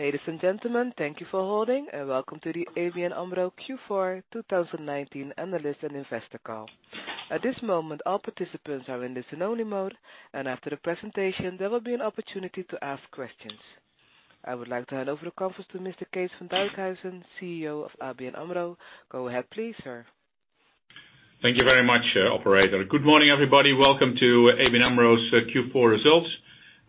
Ladies and gentlemen, thank you for holding, and welcome to the ABN AMRO Q4 2019 analyst and investor call. At this moment, all participants are in listen-only mode, and after the presentation, there will be an opportunity to ask questions. I would like to hand over the conference to Mr. Kees van Dijkhuizen, CEO of ABN AMRO. Go ahead, please, sir. Thank you very much, operator. Good morning, everybody. Welcome to ABN AMRO's Q4 results.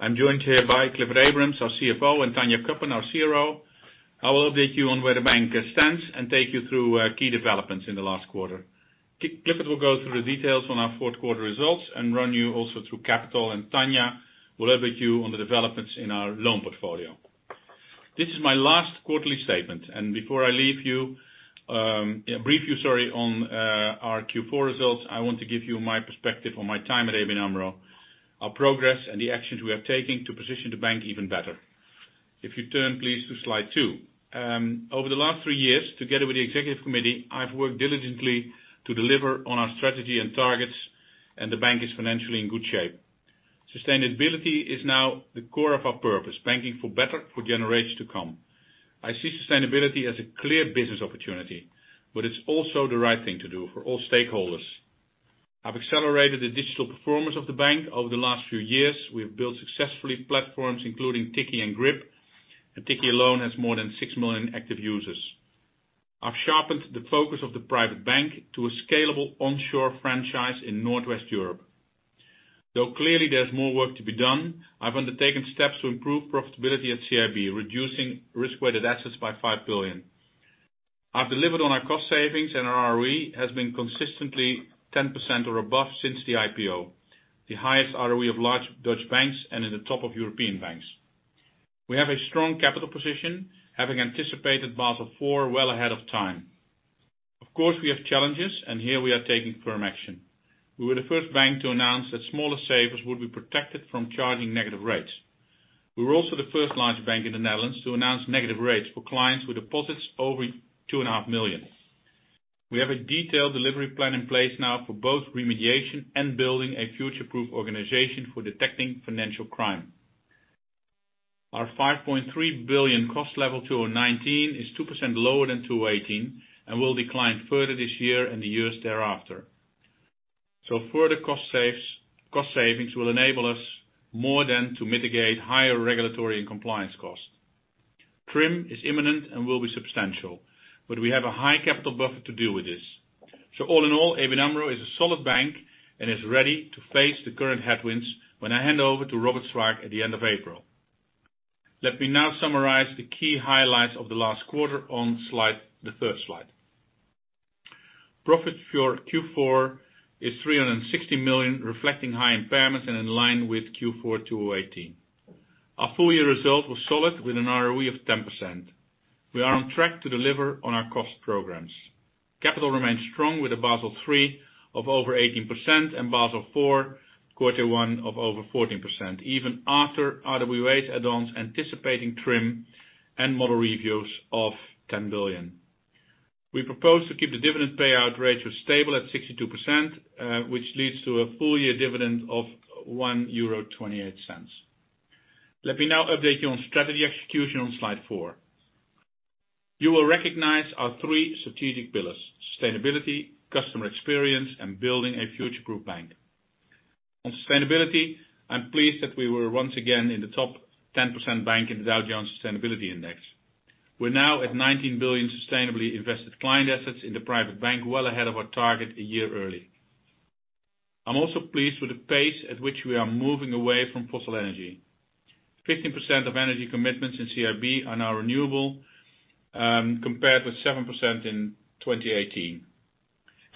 I'm joined here by Clifford Abrahams, our CFO, and Tanja Cuppen, our CRO. I will update you on where the bank stands and take you through key developments in the last quarter. Clifford will go through the details on our fourth quarter results and also run you through capital, and Tanja will update you on the developments in our loan portfolio. This is my last quarterly statement, and before I brief you on our Q4 results, I want to give you my perspective on my time at ABN AMRO, our progress, and the actions we have taken to position the bank even better. If you turn, please, to slide two. Over the last three years, together with the executive committee, I've worked diligently to deliver on our strategy and targets, and the bank is financially in good shape. Sustainability is now the core of our purpose, banking for better, for generations to come. I see sustainability as a clear business opportunity, but it's also the right thing to do for all stakeholders. I've accelerated the digital performance of the bank over the last few years. We have successfully built platforms, including Tikkie and Grip, and Tikkie alone has more than 6 million active users. I've sharpened the focus of the private bank to a scalable onshore franchise in Northwest Europe. Though clearly there's more work to be done, I've undertaken steps to improve profitability at CIB, reducing risk-weighted assets by 5 billion. I've delivered on our cost savings, and our ROE has been consistently 10% or above since the IPO, the highest ROE of large Dutch banks and in the top of European banks. We have a strong capital position, having anticipated Basel IV well ahead of time. Of course, we have challenges, and here we are taking firm action. We were the first bank to announce that smaller savers would be protected from charging negative rates. We were also the first large bank in the Netherlands to announce negative rates for clients with deposits over 2.5 million. We have a detailed delivery plan in place now for both remediation and building a future-proof organization for detecting financial crime. Our 5.3 billion cost level for 2019 is 2% lower than 2018 and will decline further this year and in the years thereafter. Further cost savings will enable us more than to mitigate higher regulatory and compliance costs. TRIM is imminent and will be substantial, but we have a high capital buffer to deal with this. All in all, ABN AMRO is a solid bank and is ready to face the current headwinds when I hand over to Robert Swaak at the end of April. Let me now summarize the key highlights of the last quarter on the third slide. Profit for Q4 is 316 million, reflecting high impairments and in line with Q4 2018. Our full-year result was solid with an ROE of 10%. We are on track to deliver on our cost programs. Capital remains strong with Basel III CET1 ratio of over 18% and Basel IV CET1 ratio of over 14%, even after RWAs add-ons anticipating TRIM and model reviews of 10 billion. We propose to keep the dividend payout ratio stable at 62%, which leads to a full-year dividend of 1.28 euro. Let me now update you on strategy execution on slide four. You will recognize our three strategic pillars: sustainability, customer experience, and building a future-proof bank. On sustainability, I'm pleased that we were once again in the top 10% bank in the Dow Jones Sustainability Index. We're now at 19 billion sustainably invested client assets in the private bank, well ahead of our target a year early. I'm also pleased with the pace at which we are moving away from fossil energy. 15% of energy commitments in CIB are now renewable, compared with 7% in 2018.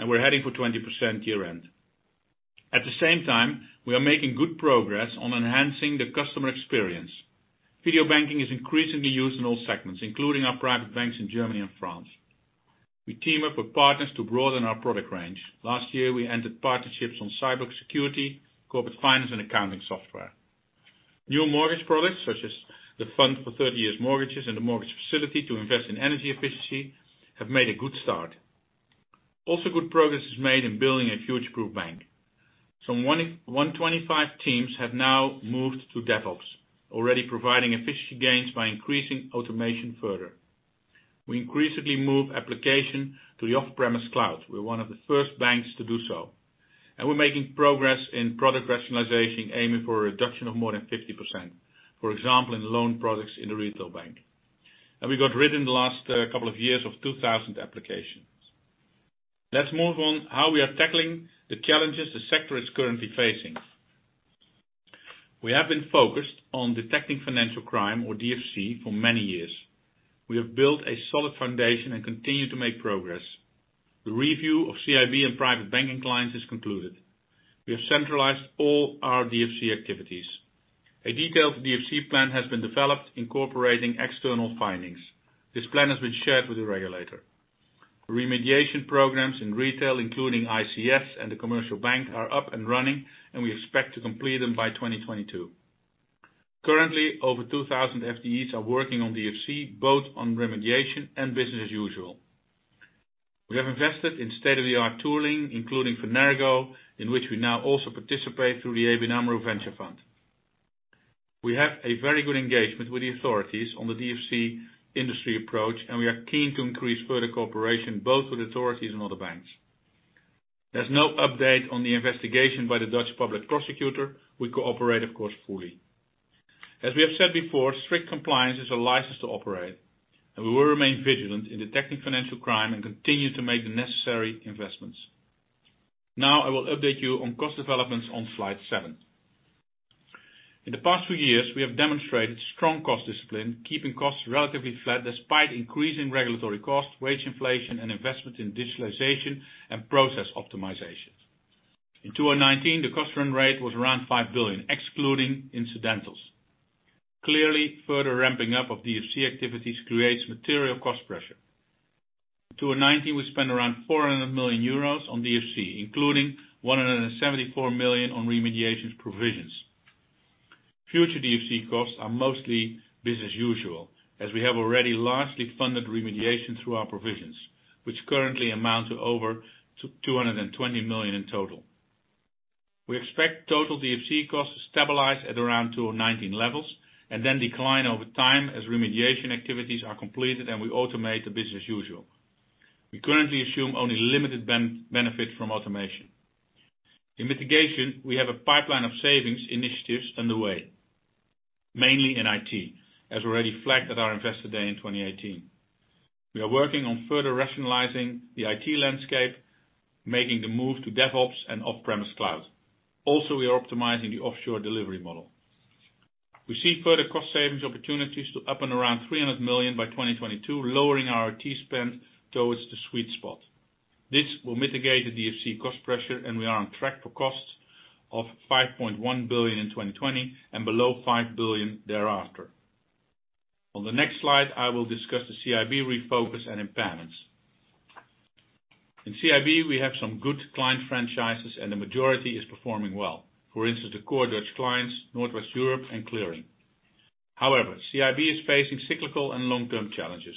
We're heading for 20% year-end. At the same time, we are making good progress on enhancing the customer experience. Video banking is increasingly used in all segments, including our private banks in Germany and France. We team up with partners to broaden our product range. Last year, we entered partnerships on cybersecurity, corporate finance, and accounting software. New mortgage products, such as the fund for 30-year mortgages and the mortgage facility to invest in energy efficiency, have made a good start. Also, good progress is made in building a future-proof bank. Some 125 teams have now moved to DevOps, already providing efficiency gains by increasing automation further. We increasingly move applications to the off-premise cloud. We're one of the first banks to do so. We're making progress in product rationalization, aiming for a reduction of more than 50%, for example, in loan products in the retail bank. We got rid of, in the last couple of years, 2,000 applications. Let's move on to how we are tackling the challenges the sector is currently facing. We have been focused on detecting financial crime or DFC for many years. We have built a solid foundation and continue to make progress. The review of CIB and Private Banking clients is concluded. We have centralized all our DFC activities. A detailed DFC plan has been developed, incorporating external findings. This plan has been shared with the regulator. Remediation programs in retail, including ICS and the commercial bank, are up and running, and we expect to complete them by 2022. Currently, over 2,000 FTEs are working on DFC, both on remediation and business as usual. We have invested in state-of-the-art tooling, including Fenergo, in which we now also participate through ABN AMRO Ventures. We have a very good engagement with the authorities on the DFC industry approach, and we are keen to increase further cooperation, both with authorities and other banks. There's no update on the investigation by the Dutch Public Prosecution Service. We cooperate, of course, fully. As we have said before, strict compliance is a license to operate, and we will remain vigilant in detecting financial crime and continue to make the necessary investments. Now, I will update you on cost developments on slide seven. In the past few years, we have demonstrated strong cost discipline, keeping costs relatively flat despite increasing regulatory costs, wage inflation, and investment in digitalization and process optimization. In 2019, the cost run rate was around 5 billion, excluding incidentals. Clearly, further ramping up of DFC activities creates material cost pressure. In 2019, we spent around 400 million euros on DFC, including 174 million on remediation provisions. Future DFC costs are mostly business as usual, as we have already largely funded remediation through our provisions, which currently amount to over 220 million in total. We expect total DFC costs to stabilize at around 2019 levels and then decline over time as remediation activities are completed and we automate the business as usual. We currently assume only a limited benefit from automation. In mitigation, we have a pipeline of savings initiatives underway, mainly in IT, as already flagged at our Investor Day in 2018. We are working on further rationalizing the IT landscape, making the move to DevOps and off-premise cloud. We are optimizing the offshore delivery model. We see further cost savings opportunities up to and around 300 million by 2022, lowering our IT spend towards the sweet spot. This will mitigate the DFC cost pressure, and we are on track for costs of 5.1 billion in 2020 and below 5 billion thereafter. On the next slide, I will discuss the CIB refocus and impairments. In CIB, we have some good client franchises, and the majority is performing well. For instance, the core Dutch clients, Northwest Europe, and Clearing. CIB is facing cyclical and long-term challenges.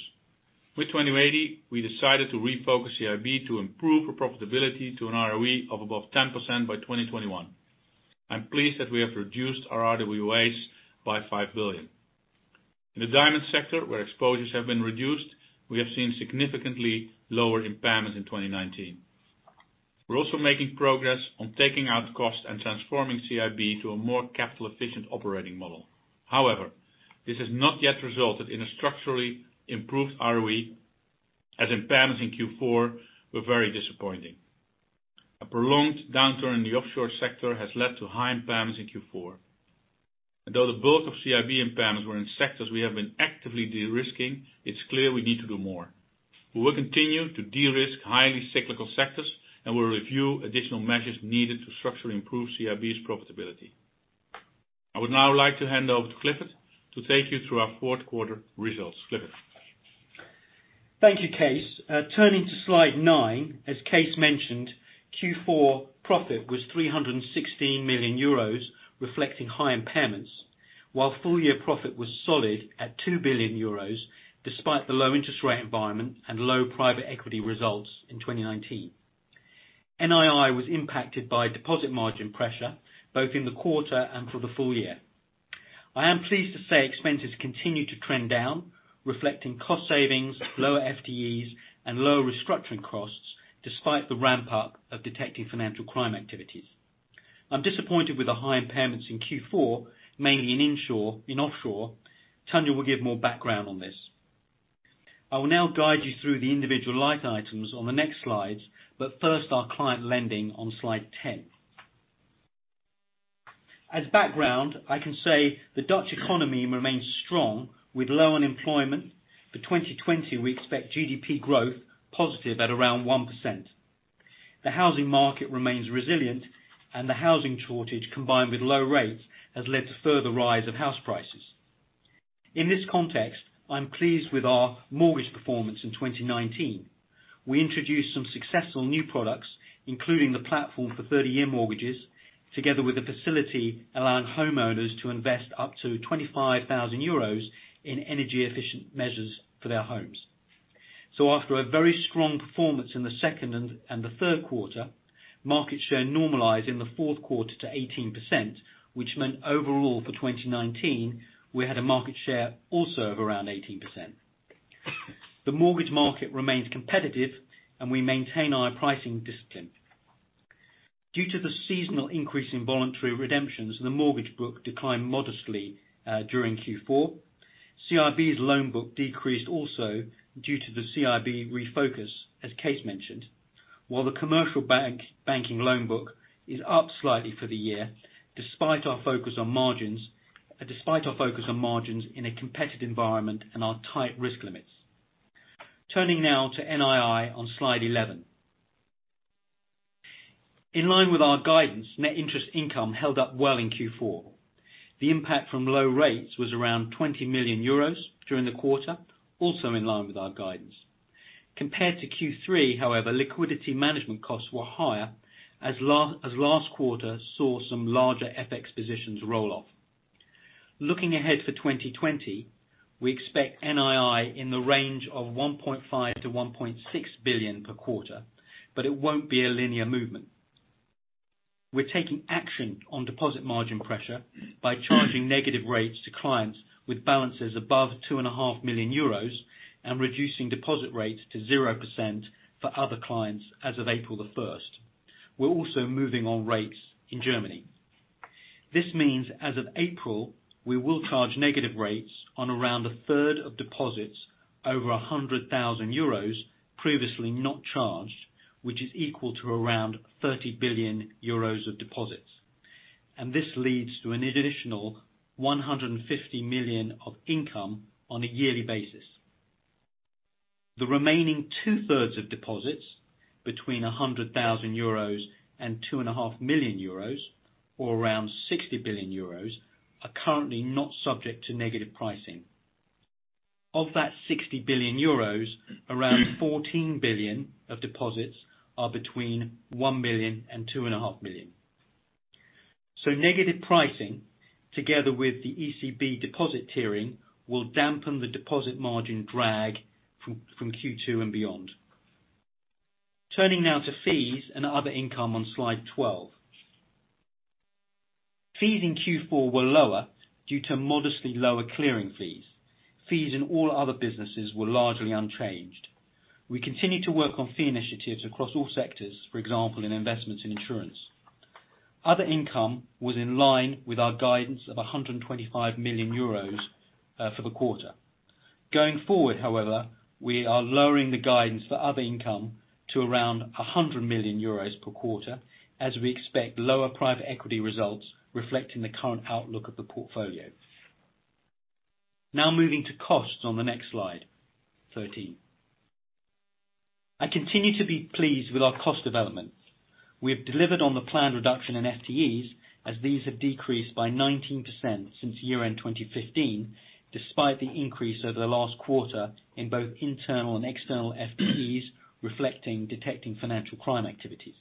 In 2020, we decided to refocus CIB to improve our profitability to an ROE of above 10% by 2021. I'm pleased that we have reduced our RWAs by 5 billion. In the diamond sector, where exposures have been reduced, we have seen significantly lower impairments in 2019. We're also making progress on taking out costs and transforming CIB to a more capital-efficient operating model. This has not yet resulted in a structurally improved ROE, as impairments in Q4 were very disappointing. A prolonged downturn in the offshore sector has led to high impairments in Q4. Though the bulk of CIB impairments were in sectors we have been actively de-risking, it's clear we need to do more. We will continue to de-risk highly cyclical sectors, and we'll review additional measures needed to structurally improve CIB's profitability. I would now like to hand over to Clifford to take you through our fourth quarter results. Clifford? Thank you, Kees. Turning to slide nine, as Kees mentioned, Q4 profit was 316 million euros, reflecting high impairments, while full-year profit was solid at 2 billion euros, despite the low interest rate environment and low private equity results in 2019. NII was impacted by deposit margin pressure, both in the quarter and for the full year. I am pleased to say expenses continue to trend down, reflecting cost savings, lower FTEs, and lower restructuring costs despite the ramp-up of detecting financial crime activities. I'm disappointed with the high impairments in Q4, mainly in offshore. Tanja will give more background on this. I will now guide you through the individual line items on the next slides, but first, our client lending on slide 10. As background, I can say the Dutch economy remains strong, with low unemployment. For 2020, we expect GDP growth to be positive at around 1%. The housing market remains resilient, and the housing shortage, combined with low rates, has led to a further rise in house prices. In this context, I'm pleased with our mortgage performance in 2019. We introduced some successful new products, including the platform for 30-year mortgages, together with a facility allowing homeowners to invest up to 25,000 euros in energy-efficient measures for their homes. After a very strong performance in the second and third quarter, market share normalized in the fourth quarter to 18%, which meant overall for 2019, we had a market share of around 18%. The mortgage market remains competitive, and we maintain our pricing discipline. Due to the seasonal increase in voluntary redemptions, the mortgage book declined modestly during Q4. CIB's loan book also decreased due to the CIB refocus, as Kees mentioned. While the Commercial Banking loan book is up slightly for the year, despite our focus on margins in a competitive environment, and our tight risk limits. Turning now to NII on slide 11. In line with our guidance, net interest income held up well in Q4. The impact from low rates was around 20 million euros during the quarter, also in line with our guidance. Compared to Q3, however, liquidity management costs were higher as last quarter saw some larger FX positions roll off. Looking ahead to 2020, we expect NII in the range of 1.5 billion-1.6 billion per quarter, but it won't be a linear movement. We're taking action on deposit margin pressure by charging negative rates to clients with balances above 2.5 million euros and reducing deposit rates to 0% for other clients as of April 1st. We're also moving on rates in Germany. This means as of April, we will charge negative rates on around 1/3 of deposits over 100,000 euros previously not charged, which is equal to around 30 billion euros of deposits. This leads to an additional 150 million of income on a yearly basis. The remaining 2/3 of deposits, between 100,000 euros and 2.5 million euros, or around 60 billion euros, are currently not subject to negative pricing. Of that 60 billion euros, around 14 billion of deposits are between 1 million and 2.5 million. Negative pricing, together with the ECB deposit tiering, will dampen the deposit margin drag from Q2 and beyond. Turning now to fees and other income on slide 12. Fees in Q4 were lower due to modestly lower clearing fees. Fees in all other businesses were largely unchanged. We continue to work on fee initiatives across all sectors, for example, in investment and insurance. Other income was in line with our guidance of 125 million euros for the quarter. Going forward, however, we are lowering the guidance for other income to around 100 million euros per quarter as we expect lower private equity results reflecting the current outlook of the portfolio. Moving to costs on the next slide, 13. I continue to be pleased with our cost developments. We have delivered on the planned reduction in FTEs, as these have decreased by 19% since year-end 2015, despite the increase over the last quarter in both internal and external FTEs, reflecting detecting financial crime activities.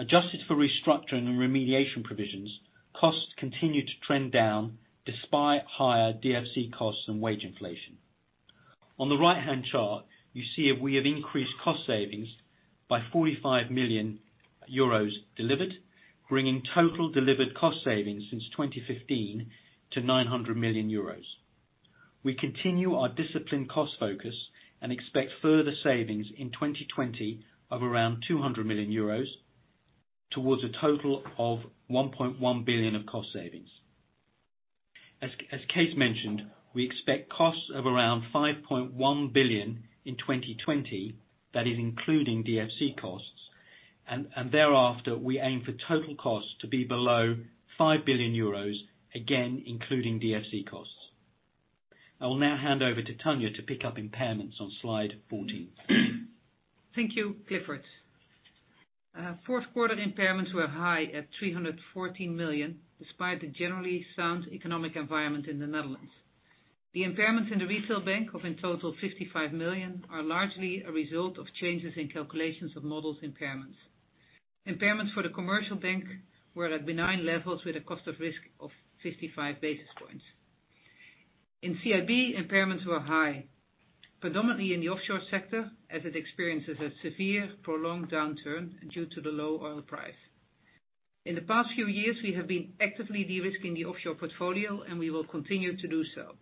Adjusted for restructuring and remediation provisions, costs continue to trend down despite higher DFC costs and wage inflation. On the right-hand chart, you see we have increased cost savings by 45 million euros delivered, bringing total delivered cost savings since 2015 to 900 million euros. We continue our disciplined cost focus and expect further savings in 2020 of around 200 million euros towards a total of 1.1 billion of cost savings. As Kees mentioned, we expect costs of around 5.1 billion in 2020, that is including DFC costs, and thereafter, we aim for total costs to be below 5 billion euros, again, including DFC costs. I will now hand over to Tanja to pick up impairments on slide 14. Thank you, Clifford. Fourth quarter impairments were high at 314 million, despite the generally sound economic environment in the Netherlands. The impairments in the retail bank of in total 55 million are largely a result of changes in the calculations of model impairments. Impairments for the commercial bank were at benign levels with a cost of risk of 55 basis points. In CIB, impairments were high, predominantly in the offshore sector, as it experiences a severe, prolonged downturn due to the low oil price. In the past few years, we have been actively de-risking the offshore portfolio, and we will continue to do so.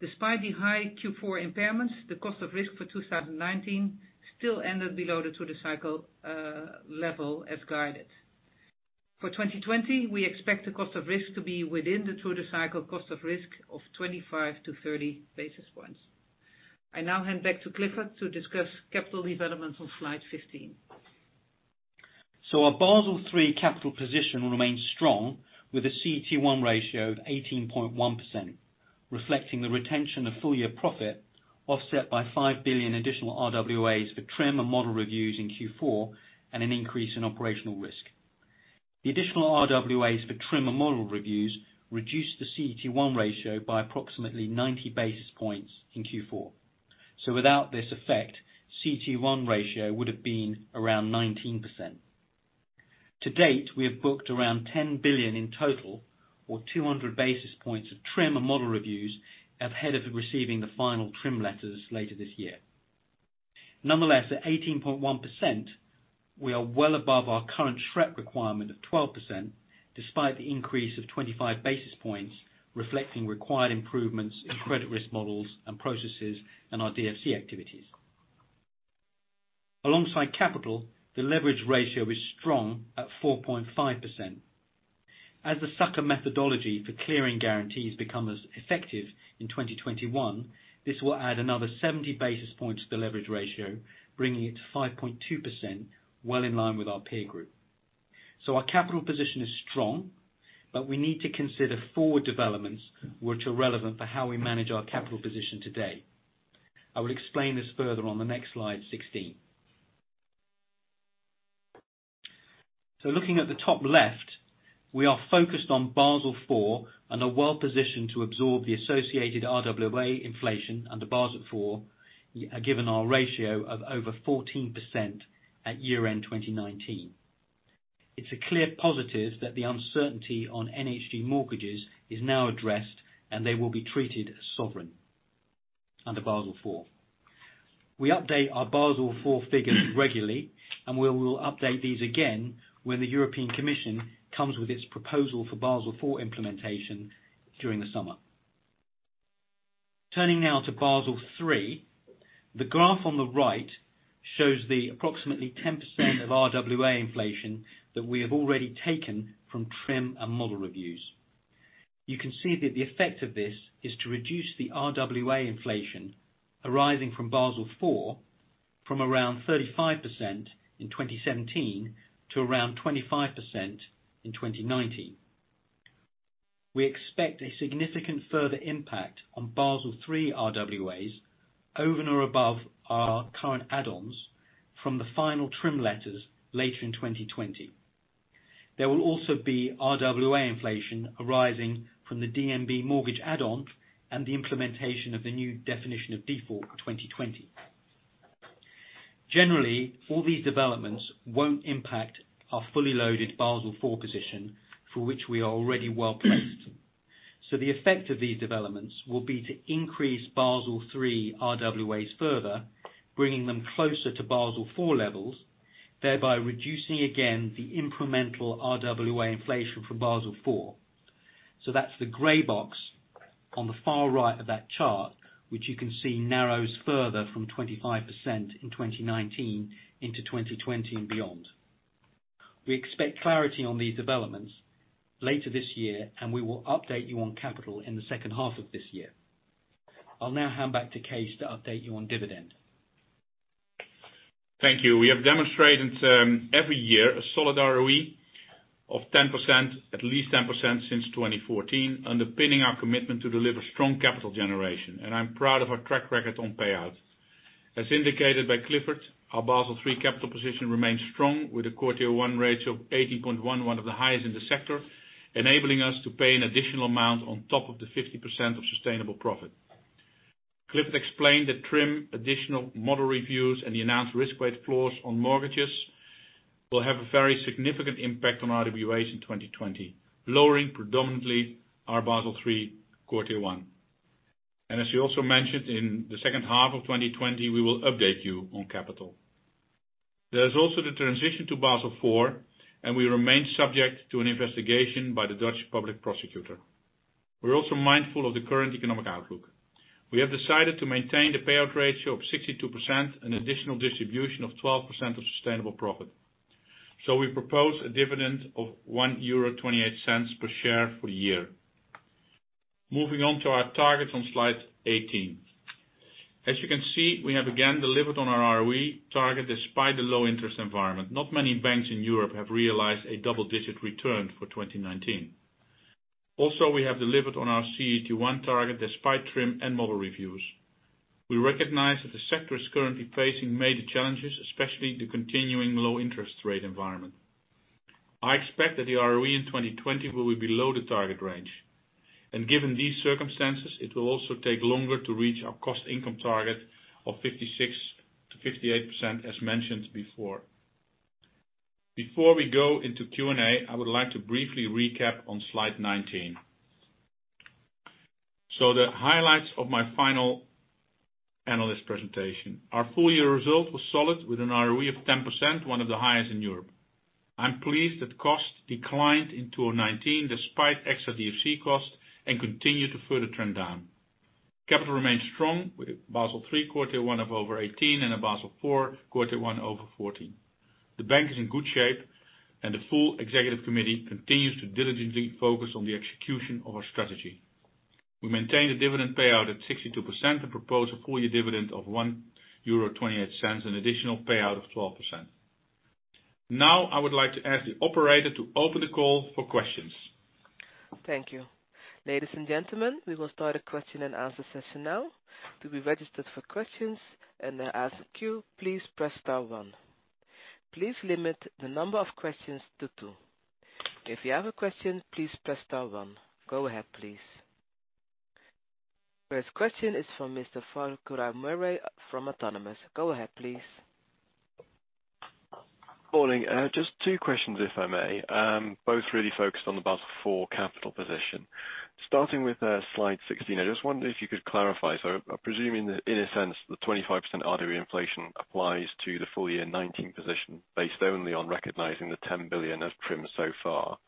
Despite the high Q4 impairments, the cost of risk for 2019 still ended below the through-the-cycle level as guided. For 2020, we expect the cost of risk to be within the through-the-cycle cost of risk of 25-30 basis points. I now hand back to Clifford to discuss capital developments on slide 15. Our Basel III capital position remains strong with a CET1 ratio of 18.1%, reflecting the retention of full-year profit, offset by 5 billion additional RWAs for TRIM and model reviews in Q4 and an increase in operational risk. The additional RWAs for TRIM and model reviews reduced the CET1 ratio by approximately 90 basis points in Q4. Without this effect, CET1 ratio would've been around 19%. To date, we have booked around 10 billion in total, or 200 basis points of TRIM and model reviews ahead of receiving the final TRIM letters later this year. Nonetheless, at 18.1%, we are well above our current SREP requirement of 12%, despite the increase of 25 basis points reflecting required improvements in credit risk models and processes and our DFC activities. Alongside capital, the leverage ratio is strong at 4.5%. As the SA-CCR methodology for clearing guarantees becomes effective in 2021, this will add another 70 basis points to the leverage ratio, bringing it to 5.2%, well in line with our peer group. Our capital position is strong, but we need to consider forward developments, which are relevant for how we manage our capital position today. I will explain this further on the next slide, 16. Looking at the top left, we are focused on Basel IV and are well positioned to absorb the associated RWA inflation under Basel IV, given our ratio of over 14% at year-end 2019. It's a clear positive that the uncertainty on NHG mortgages is now addressed, and they will be treated as sovereign under Basel IV. We update our Basel IV figures regularly, and we will update these again when the European Commission comes up with its proposal for Basel IV implementation during the summer. Turning now to Basel III. The graph on the right shows approximately 10% of RWA inflation that we have already taken from TRIM and model reviews. You can see that the effect of this is to reduce the RWA inflation arising from Basel IV from around 35% in 2017 to around 25% in 2019. We expect a significant further impact on Basel III RWAs over and above our current add-ons from the final TRIM letters later in 2020. There will also be RWA inflation arising from the DNB mortgage add-ons and the implementation of the new definition of default for 2020. Generally, all these developments won't impact our fully loaded Basel IV position, for which we are already well placed. The effect of these developments will be to increase Basel III RWAs further, bringing them closer to Basel IV levels, thereby reducing again the incremental RWA inflation for Basel IV. That's the gray box on the far right of that chart, which you can see narrows further from 25% in 2019 into 2020 and beyond. We expect clarity on these developments later this year, and we will update you on capital in the second half of this year. I'll now hand back to Kees to update you on the dividend. Thank you. We have demonstrated every year a solid ROE of at least 10% since 2014, underpinning our commitment to deliver strong capital generation. I'm proud of our track record on payouts. As indicated by Clifford, our Basel III capital position remains strong with a CET1 ratio of 18.1%, one of the highest in the sector, enabling us to pay an additional amount on top of the 50% of sustainable profit. Clifford explained that TRIM's additional model reviews and the announced risk weight floors on mortgages will have a very significant impact on RWAs in 2020, lowering our Basel III CET1 predominantly. As we also mentioned, in the second half of 2020, we will update you on capital. There is also the transition to Basel IV. We remain subject to an investigation by the Dutch Public Prosecution Service. We're also mindful of the current economic outlook. We have decided to maintain the payout ratio of 62% and an additional distribution of 12% of sustainable profit. We propose a dividend of 1.28 euro per share for the year. Moving on to our targets on slide 18. As you can see, we have again delivered on our ROE target despite the low-interest environment. Not many banks in Europe have realized a double-digit return for 2019. We have delivered on our CET1 target despite TRIM and model reviews. We recognize that the sector is currently facing major challenges, especially the continuing low-interest-rate environment. I expect that the ROE in 2020 will be below the target range. Given these circumstances, it will also take longer to reach our cost-income target of 56%-58%, as mentioned before. Before we go into Q&A, I would like to briefly recap on slide 19. The highlights of my final analyst presentation. Our full-year result was solid with an ROE of 10%, one of the highest in Europe. I'm pleased that costs declined in 2019 despite extra DFC costs and continue to further trend down. Capital remains strong with Basel III CET1 ratio of over 18% and Basel IV CET1 ratio of over 14%. The bank is in good shape, and the full executive committee continues to diligently focus on the execution of our strategy. We maintain the dividend payout at 62% and propose a full-year dividend of 1.28 euro, an additional payout of 12%. I would like to ask the operator to open the call for questions. Thank you. Ladies and gentlemen, we will start a question-and-answer session now. To be registered for questions and ask a queue, please press star one. Please limit the number of questions to two. If you have a question, please press star one. Go ahead, please. First question is from Mr. Farquhar Murray from Autonomous. Go ahead, please. Morning. Just two questions, if I may. Both really focused on the Basel IV capital position. Starting with slide 16, I just wondered if you could clarify. I'm presuming that, in a sense, the 25% RWA inflation applies to the full-year 2019 position based only on recognizing the 10 billion of TRIM so far.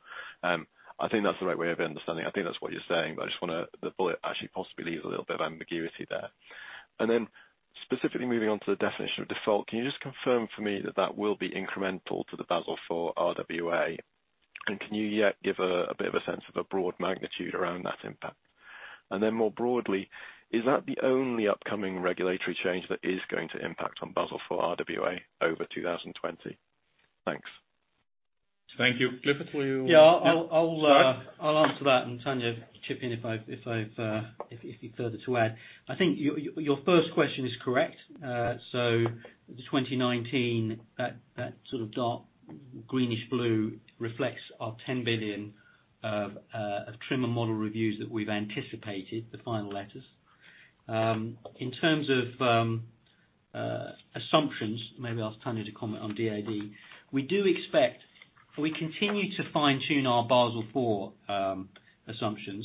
I think that's the right way of understanding. I think that's what you're saying, but the bullet actually possibly leaves a little bit of ambiguity there. Specifically moving on to the definition of default, can you just confirm for me that that will be incremental to the Basel IV RWA, and can you yet give a bit of a sense of a broad magnitude around that impact? More broadly, is that the only upcoming regulatory change that is going to impact Basel IV RWA in 2020? Thanks. Thank you. Clifford. Yeah. I'll answer that, and Tanja, chip in if you have further to add. I think your first question is correct. In 2019, that sort of dark greenish-blue bar reflects our 10 billion of TRIM and model reviews, and we've anticipated the final letters. In terms of assumptions, maybe I'll turn it into a comment on DoD. We continue to fine-tune our Basel IV assumptions.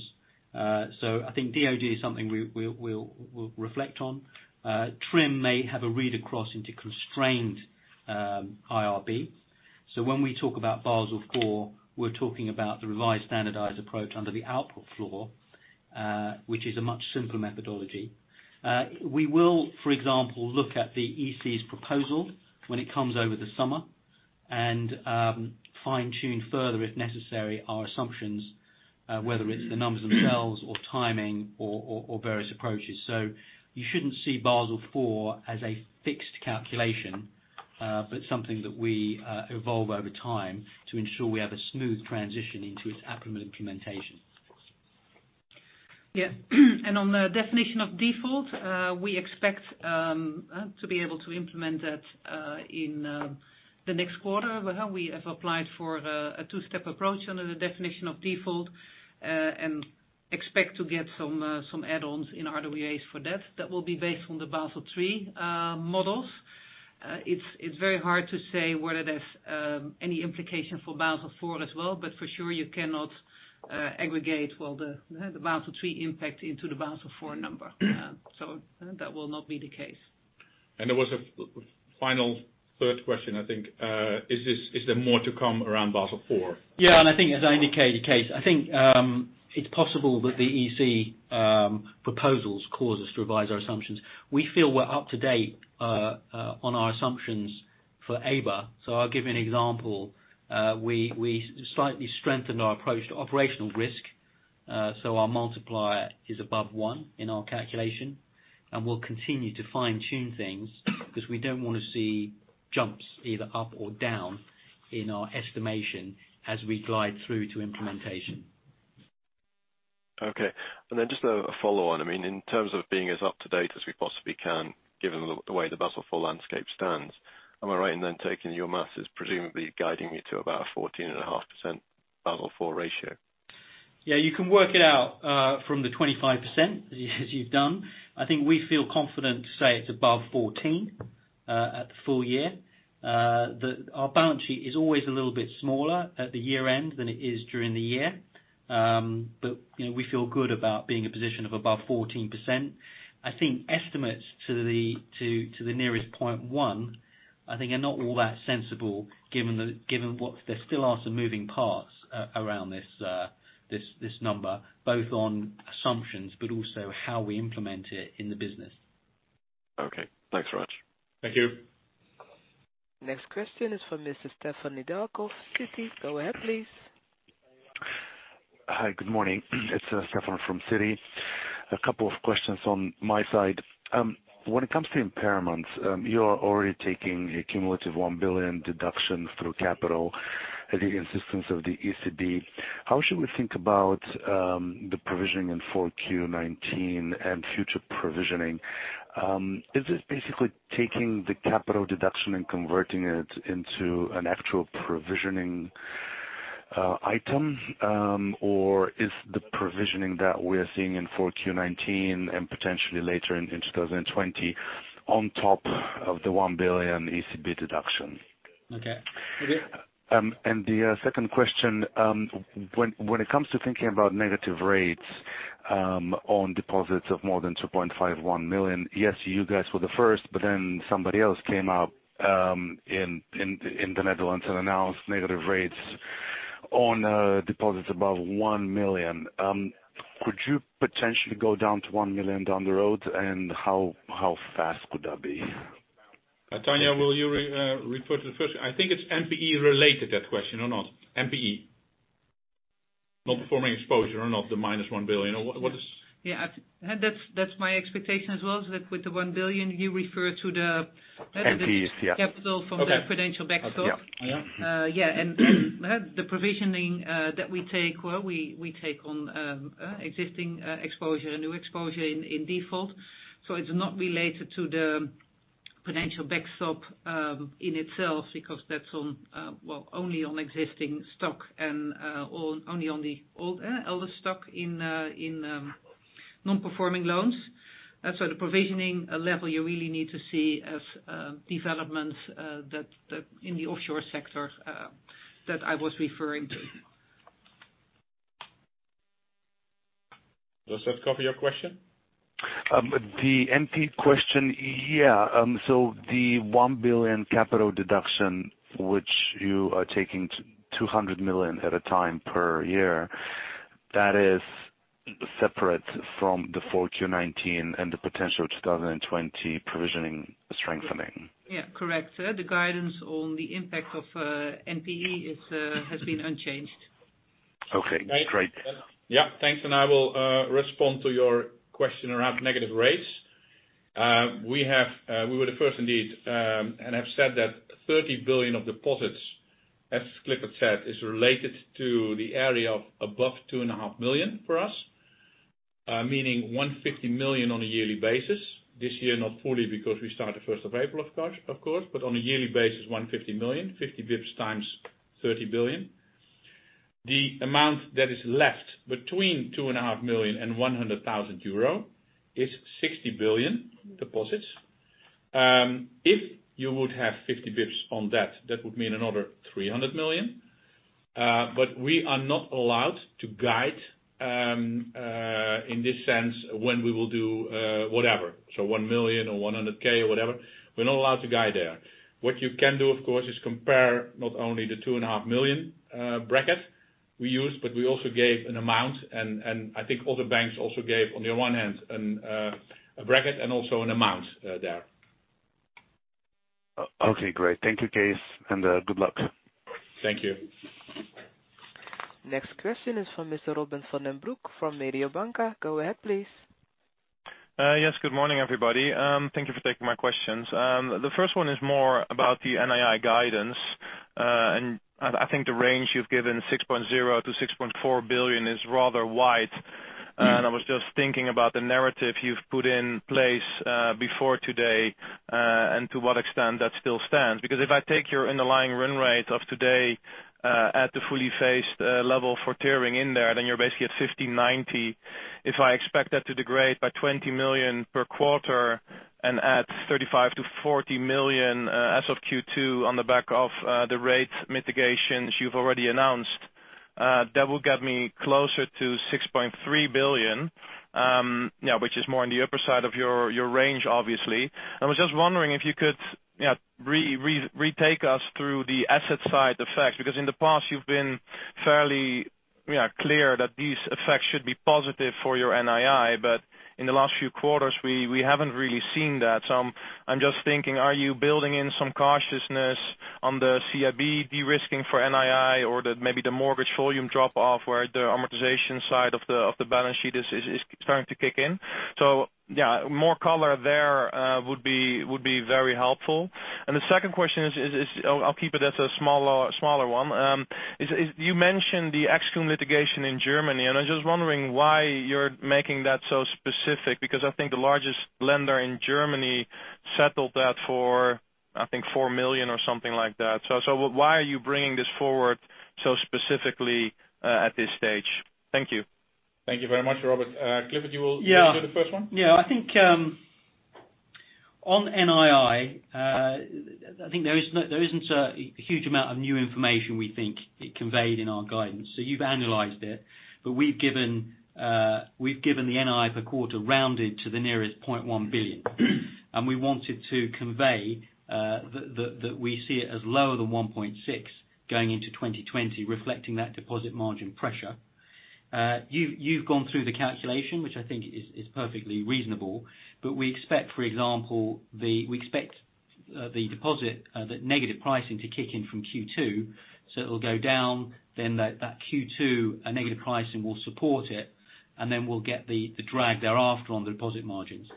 I think DoD is something we'll reflect on. TRIM may have a read across into constrained IRB. When we talk about Basel IV, we're talking about the revised standardized approach under the output floor, which is a much simpler methodology. We will, for example, look at the EC's proposal when it comes over the summer and fine-tune further, if necessary, our assumptions, whether it's the numbers themselves, timing, or various approaches. You shouldn't see Basel IV as a fixed calculation, but something that we evolve over time to ensure we have a smooth transition into its actual implementation. Yeah. On the Definition of Default, we expect to be able to implement that in the next quarter. We have applied for a two-step approach under the Definition of Default, and expect to get some add-ons in RWAs for that. That will be based on the Basel III models. It's very hard to say whether there's any implication for Basel IV as well. For sure, you cannot aggregate the Basel III impact into the Basel IV number. That will not be the case. There was a final third question, I think. Is there more to come around Basel IV? Yeah, I think as I indicated, Kees, I think it's possible that the EC proposals cause us to revise our assumptions. We feel we're up to date on our assumptions for AMA. I'll give you an example. We slightly strengthened our approach to operational risk, so our multiplier is above one in our calculation, and we'll continue to fine-tune things because we don't want to see jumps either up or down in our estimation as we glide through to implementation. Okay. Just a follow-up on in terms of being as up to date as we possibly can, given the way the Basel IV landscape stands, am I right in then taking your maths as presumably guiding you to about a 14.5% Basel IV ratio? Yeah, you can work it out from the 25%, as you've done. I think we feel confident to say it's above 14% at the full year. Our balance sheet is always a little bit smaller at the year-end than it is during the year. We feel good about being in a position above 14%. I think estimates to the nearest 0.1 billion, I think are not all that sensible, given there still are some moving parts around this number, both on assumptions, but also how we implement it in the business. Okay. Thanks very much. Thank you. Next question is from Mr. Stefan Nedialkov, Citi. Go ahead, please. Hi. Good morning. It's Stefan from Citi. A couple of questions on my side. When it comes to impairments, you are already taking a cumulative 1 billion deduction through capital at the insistence of the ECB. How should we think about the provisioning in 4Q 2019 and future provisioning? Is this basically taking the capital deduction and converting it into an actual provisioning item? Is the provisioning that we're seeing in 4Q 2019 and potentially later in 2020 on top of the 1 billion ECB deduction? Okay. Okay. The second question. When it comes to thinking about negative rates on deposits of more than 2.51 million, yes, you guys were the first, but then somebody else came out in the Netherlands and announced negative rates on deposits above 1 million. Could you potentially go down to 1 million down the road? How fast could that be? Tanja, will you refer to the first one? I think it's NPE related, that question, or not? NPE. Non-performing exposure, or not, the minus 1 biliion. Yeah. That's my expectation as well, that with the 1 billion you refer to- NPEs, yeah. Capital from the prudential backstop. Okay. Yeah. Yeah. The provisioning that we take, well, we take on existing exposure and new exposure in default. It's not related to the potential backstop in itself because that's only on existing stock and only on the older stock in non-performing loans. The provisioning level you really need to see as developments in the offshore sector that I was referring to. Does that cover your question? The NPE question, yeah. The 1 billion capital deduction, which you are taking 200 million at a time per year, is separate from the 4Q 2019 and the potential 2020 provisioning strengthening? Yeah. Correct. The guidance on the impact of NPE has been unchanged. Okay. Great. Thanks. I will respond to your question around negative rates. We were the first indeed, and have said that 30 billion of deposits, as Clifford said, is related to the area of above 2.5 million for us. Meaning 150 million on a yearly basis. This year, not fully because we start the 1st of April, of course, but on a yearly basis, 150 million, 50 basis points times 30 billion. The amount that is left between 2.5 million and 100,000 euro is 60 billion in deposits. If you would have 50 basis points, that would mean another 300 million. We are not allowed to guide in this sense, so we will do whatever. 1 million or 100,000 or whatever, we're not allowed to guide there. What you can do, of course, is compare not only the 2.5 million bracket that we use, but we also gave an amount, and I think other banks also gave on the one hand a bracket and also an amount there. Okay, great. Thank you, Kees, and good luck. Thank you. Next question is from Mr. Robin van den Broek from Mediobanca. Go ahead, please. Yes. Good morning, everybody. Thank you for taking my questions. The first one is more about the NII guidance. I think the range you've given, 6.0 billion-6.4 billion, is rather wide. If I take your underlying run rate of today at the fully phased level for tiering in there, then you're basically at 1.590 billion. If I expect that to degrade by 20 million per quarter and add 35 million-40 million as of Q2 on the back of the rate mitigations you've already announced, that will get me closer to 6.3 billion, which is more on the upper side of your range, obviously. I was just wondering if you could retake us through the asset side effects, because in the past, you've been fairly clear that these effects should be positive for your NII, but in the last few quarters, we haven't really seen that. Are you building in some cautiousness on the CIB de-risking for NII, or maybe the mortgage volume drop off, where the amortization side of the balance sheet is starting to kick in? More color there would be very helpful. The second question is, I'll keep it as a smaller one. You mentioned the CumEx litigation in Germany, and I was just wondering why you're making that so specific, because I think the largest lender in Germany settled that for, I think, 4 million or something like that. Why are you bringing this forward so specifically at this stage? Thank you. Thank you very much, Robin. Clifford, you will take the first one? I think on NII, I think there isn't a huge amount of new information that we think is conveyed in our guidance. You've analyzed it, but we've given the NII per quarter, rounded to the nearest 0.1 billion. We wanted to convey that we see it as lower than 1.6 billion going into 2020, reflecting that deposit margin pressure. You've gone through the calculation, which I think is perfectly reasonable, but we expect the deposit, the negative pricing to kick in from Q2, so it'll go down. That Q2 negative pricing will support it, and then we'll get the drag thereafter on the deposit margins.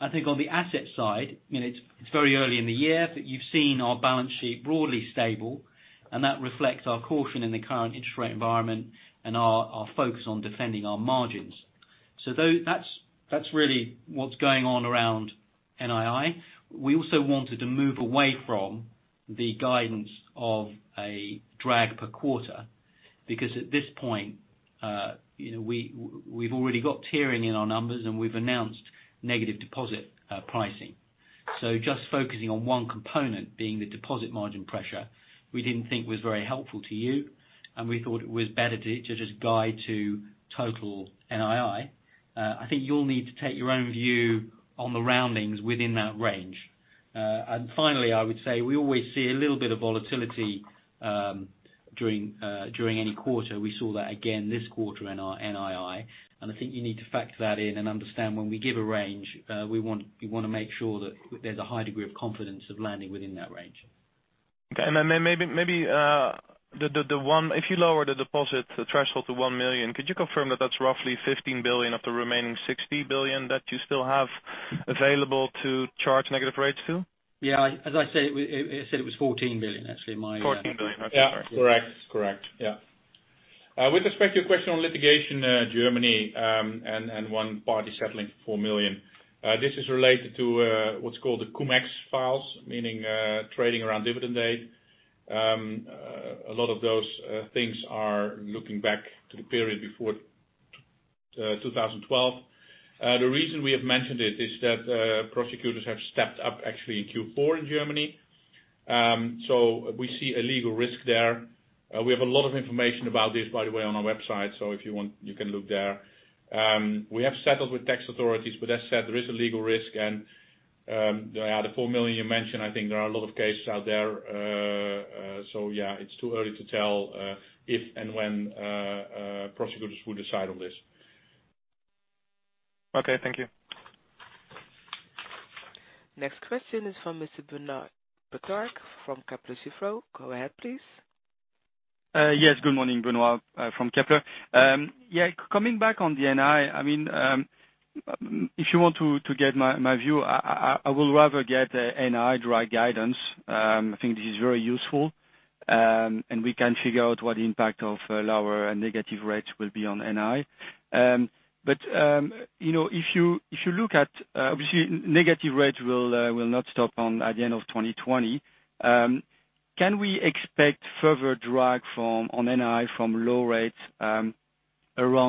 I think on the asset side, it's very early in the year, but you've seen our balance sheet broadly stable, and that reflects our caution in the current interest rate environment and our focus on defending our margins. That's really what's going on around NII. We also wanted to move away from the guidance of a drag per quarter because at this point, we've already got tiering in our numbers, and we've announced negative deposit pricing. Just focusing on one component, being the deposit margin pressure, we didn't think it was very helpful to you, and we thought it was better to just guide you to total NII. I think you'll need to take your own view on the roundings within that range. Finally, I would say we always see a little bit of volatility during any quarter. We saw that again this quarter in our NII, and I think you need to factor that in and understand that when we give a range, we want to make sure that there's a high degree of confidence of landing within that range. Okay. Maybe if you lower the deposit threshold to 1 million, could you confirm that that's roughly 15 billion of the remaining 60 billion that you still have available to charge negative rates to? Yeah. As I said, it was 14 billion, actually. 14 billion. Okay. Sorry. Yeah. Correct. With respect to your question on litigation in Germany, one party settled for 4 million. This is related to what's called the CumEx files, meaning trading around the dividend date. A lot of those things are looking back to the period before 2012. The reason we have mentioned it is that prosecutors have stepped up, actually, in Q4 in Germany. We see a legal risk there. We have a lot of information about this, by the way, on our website. If you want, you can look there. We have settled with tax authorities, as said, there is a legal risk. The 4 million you mentioned, I think, there are a lot of cases out there. Yeah, it's too early to tell if and when prosecutors will decide on this. Okay. Thank you. Next question is from Mr. Benoît Pétrarque from Kepler Cheuvreux. Go ahead, please. Yes, good morning. Benoît from Kepler Cheuvreux. Yeah, coming back on the NII. If you want to get my view, I will rather get NII drag guidance. I think this is very useful. We can figure out what the impact of lower negative rates will be on NII. If you look at it, obviously, negative rates will not stop at the end of 2020. Can we expect further drag on NII from low rates around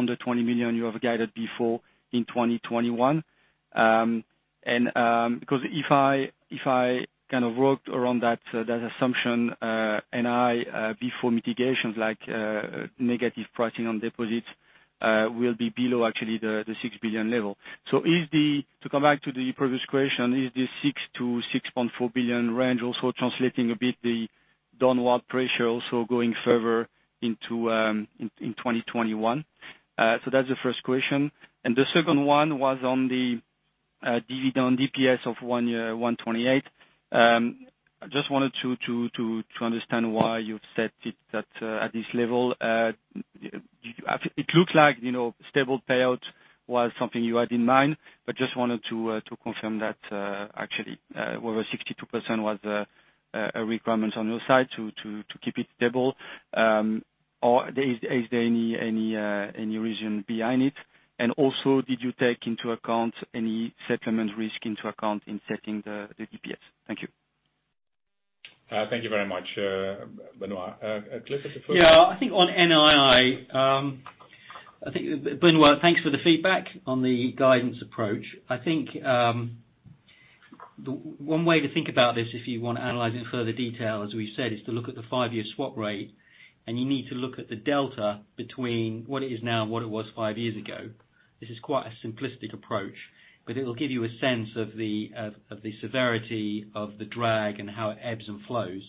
the 20 million you have guided before in 2021? Because if I worked around that assumption, NII before mitigations like negative pricing on deposits will be below the actual 6 billion level. To come back to the previous question, is the 6 billion-6.4 billion range also translating a bit the downward pressure also going further in 2021? That's the first question. The second one was on the dividend DPS of one full year, 1.28 per share. I just wanted to understand why you've set it at this level. It looks like a stable payout was something you had in mind, but just wanted to confirm that actually whether 62% was a requirement on your side to keep it stable. Is there any reason behind it? Also, did you take into account any settlement risk into account in setting the DPS? Thank you. Thank you very much, Benoît. Clifford, the floor is yours. Yeah. Benoît, thanks for the feedback on the guidance approach. I think one way to think about this, if you want to analyze it further in detail, as we've said, is to look at the five-year swap rate, and you need to look at the delta between what it is now and what it was five years ago. This is quite a simplistic approach, but it'll give you a sense of the severity of the drag and how it ebbs and flows.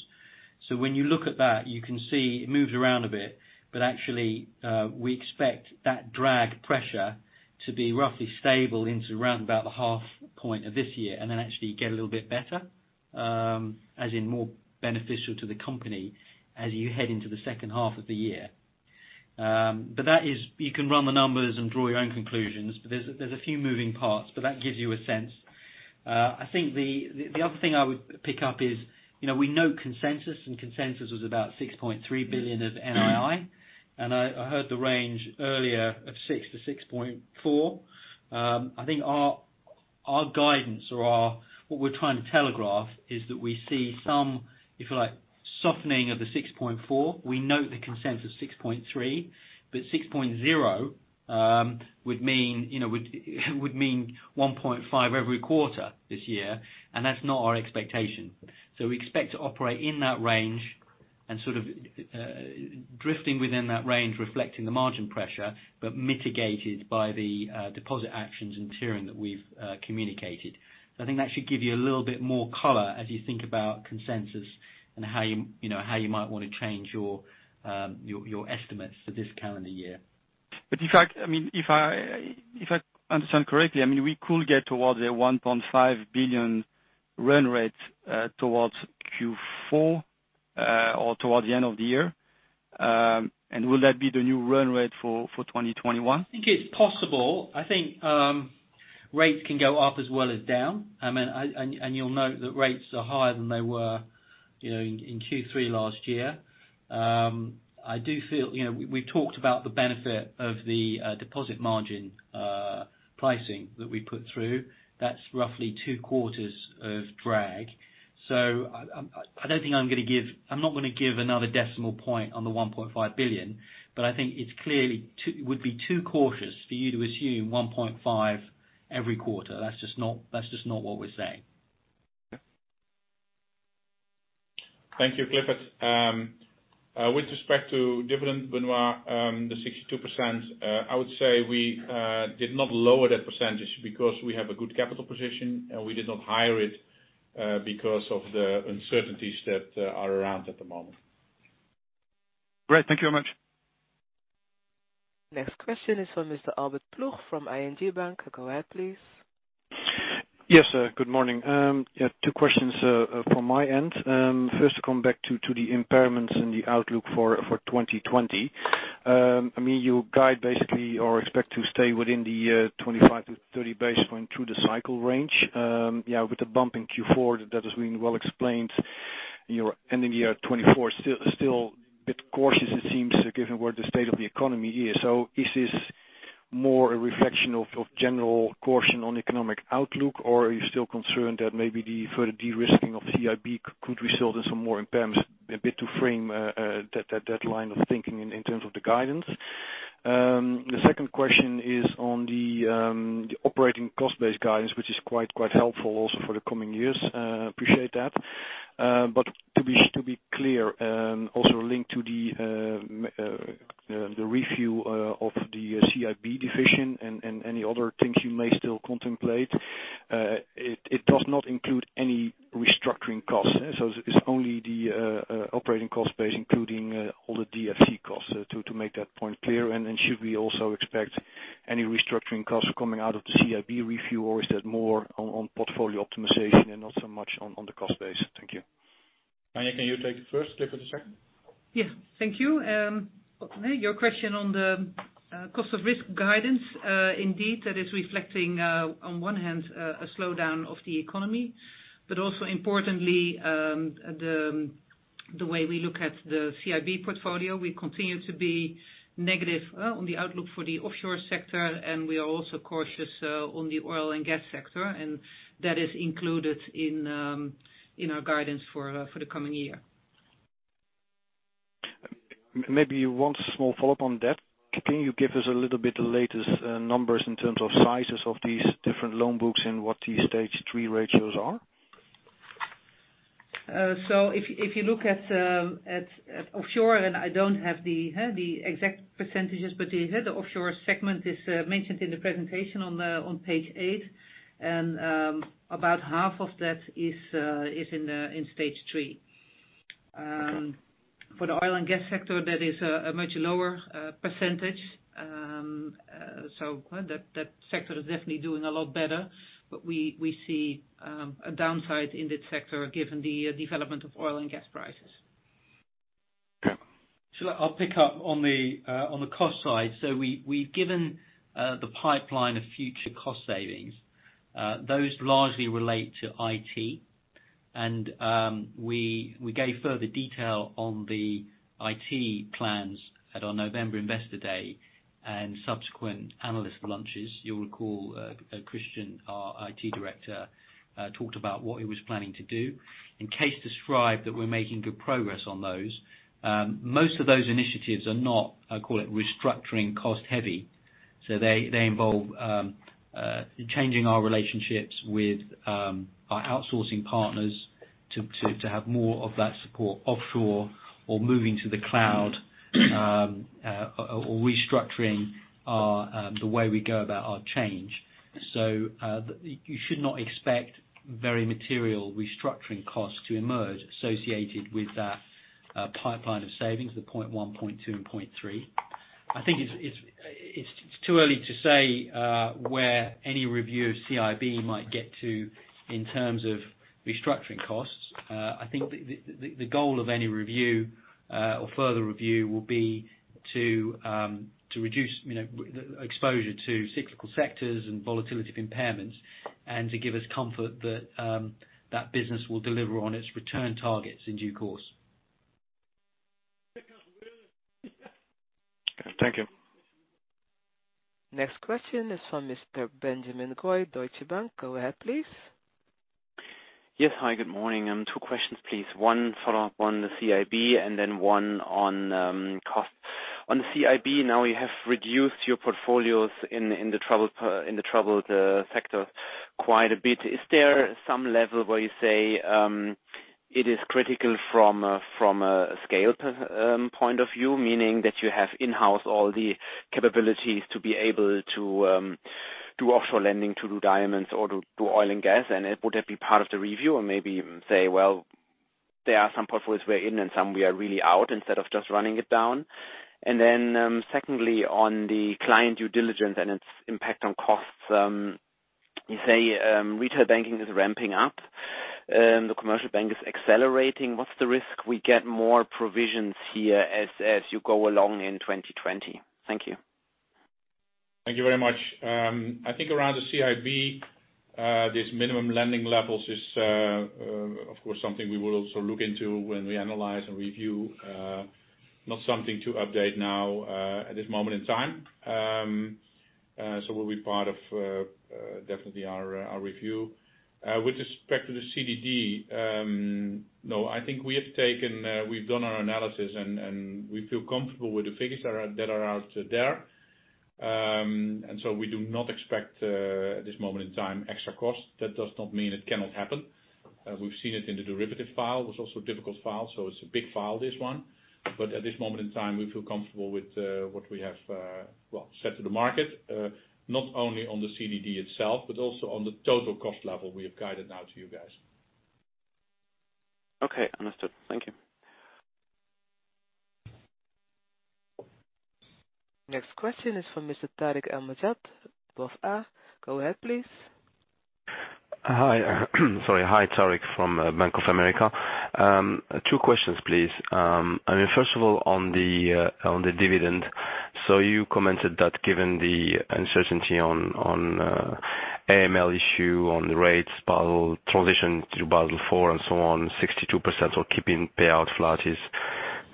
When you look at that, you can see it moves around a bit, but actually, we expect that drag pressure to be roughly stable into around about the half point of this year and then actually get a little bit better, as in more beneficial to the company as you head into the second half of the year. You can run the numbers and draw your own conclusions. There are a few moving parts, but that gives you a sense. I think the other thing I would pick up is that we know consensus, and consensus was about 6.3 billion of NII, and I heard the range earlier of 6 billion-6.4 billion. I think our guidance or what we're trying to telegraph is that we see some, if you like, softening of the 6.4 billion. We note the consensus of 6.3 billion. 6.0 billion would mean 1.5 billion every quarter this year. That's not our expectation. We expect to operate in that range and sort of drifting within that range, reflecting the margin pressure, but mitigated by the deposit actions and tiering that we've communicated. I think that should give you a little bit more color as you think about consensus and how you might want to change your estimates for this calendar year. If I understand correctly, we could get towards a 1.5 billion run rate towards Q4 or towards the end of the year. Will that be the new run rate for 2021? I think it's possible. I think rates can go up as well as down. You'll note that rates are higher than they were in Q3 last year. We've talked about the benefit of the deposit margin pricing that we put through. That's roughly two quarters of drag. I'm not going to give another decimal point on the 1.5 billion, but I think it would be too cautious for you to assume 1.5 billion every quarter. That's just not what we're saying. Thank you, Clifford. With respect to the dividend, Benoît, the 62%, I would say we did not lower that percentage because we have a good capital position. We did not raise it because of the uncertainties that are around at the moment. Great. Thank you very much. Next question is from Mr. Albert Ploegh from ING Bank. Go ahead, please. Yes, good morning. Yeah, two questions from my end. First, to come back to the impairments and the outlook for 2020. You guide basically expect to stay within the 25-30 basis points going through the cycle range. Yeah, with the bump in Q4, that has been well explained. You're ending the year at 24 basis points, still a bit cautious, it seems, given where the state of the economy is. Is this more a reflection of general caution on economic outlook, or are you still concerned that maybe the further de-risking of CIB could result in some more impairments? A bit to frame that line of thinking in terms of the guidance. The second question is on the operating cost base guidance, which is quite helpful also for the coming years. Appreciate that. To be clear, also linked to the review of the CIB division and any other things you may still contemplate. It does not include any restructuring costs. It's only the operating cost base, including all the DFC costs, to make that point clear. Should we also expect any restructuring costs coming out of the CIB review, or is that more on portfolio optimization and not so much on the cost base? Thank you. Tanja, can you take the first? Clifford, the second? Yes. Thank you. Your question on the cost of risk guidance. Indeed, that is reflecting, on one hand, a slowdown of the economy, but also importantly, the way we look at the CIB portfolio, we continue to be negative on the outlook for the offshore sector, and we are also cautious on the oil and gas sector, and that is included in our guidance for the coming year. Maybe one small follow-up on that. Can you give us a little bit of the latest numbers in terms of the sizes of these different loan books and what the Stage 3 ratios are? If you look at offshore, and I don't have the exact percentages, but the offshore segment is mentioned in the presentation on page eight. About half of that is in Stage 3. Okay. For the oil and gas sector, that is a much lower percentage. That sector is definitely doing a lot better. We see a downside in that sector given the development of oil and gas prices. Okay. I'll pick up on the cost side. We've given the pipeline of future cost savings. Those largely relate to IT. We gave further details on the IT plans at our November Investor Day and subsequent analyst lunches. You'll recall, Christiaan, our IT director, talked about what he was planning to do. Kees described that we're making good progress on those. Most of those initiatives are not, I call it restructuring cost-heavy. They involve changing our relationships with our outsourcing partners to have more of that support offshore, or moving to the cloud, or restructuring the way we go about our change. You should not expect very material restructuring costs to emerge associated with that pipeline of savings, the 0.1 billion, 0.2 billion, and 0.3 billion. I think it's too early to say where any review of CIB might get to in terms of restructuring costs. I think the goal of any review or further review will be to reduce exposure to cyclical sectors and volatility of impairments and to give us comfort that that business will deliver on its return targets in due course. Thank you. Next question is from Mr. Benjamin Goy, Deutsche Bank. Go ahead, please. Yes. Hi, good morning. Two questions, please. One follow-up on the CIB and then one on costs. On CIB, now you have reduced your portfolios in the troubled sector quite a bit. Is there some level where you say it is critical from a scale point of view, meaning that you have in-house all the capabilities to be able to do offshore lending, to do diamonds, or do oil and gas? Would that be part of the review, or maybe even say, well, there are some portfolios we're in and some we are really out, instead of just running it down? Secondly, on the client due diligence and its impact on costs, you say Retail Banking is ramping up, and the Commercial Banking is accelerating. What's the risk we get more provisions here as you go along in 2020? Thank you. Thank you very much. I think around the CIB, these minimum lending levels is of course, something we will also look into when we analyze and review. Not something to update now at this moment in time. Will definitely be part of our review. With respect to the CDD, no, I think we've done our analysis, and we feel comfortable with the figures that are out there. We do not expect any extra cost at this moment in time. That does not mean it cannot happen. We've seen it in the derivative file. It was also a difficult file, so it's a big file, this one. At this moment in time, we feel comfortable with what we have, well, set to the market, not only on the CDD itself, but also on the total cost level we have guided out to you guys. Okay, understood. Thank you. Next question is from Mr. Tarik El Mejjad, of BofA. Go ahead, please. Hi, sorry. Hi, Tarik from Bank of America. Two questions, please. First of all, on the dividend. You commented that, given the uncertainty on the AML issue, on the rates transition to Basel IV, and so on, 62% or keeping payout flat is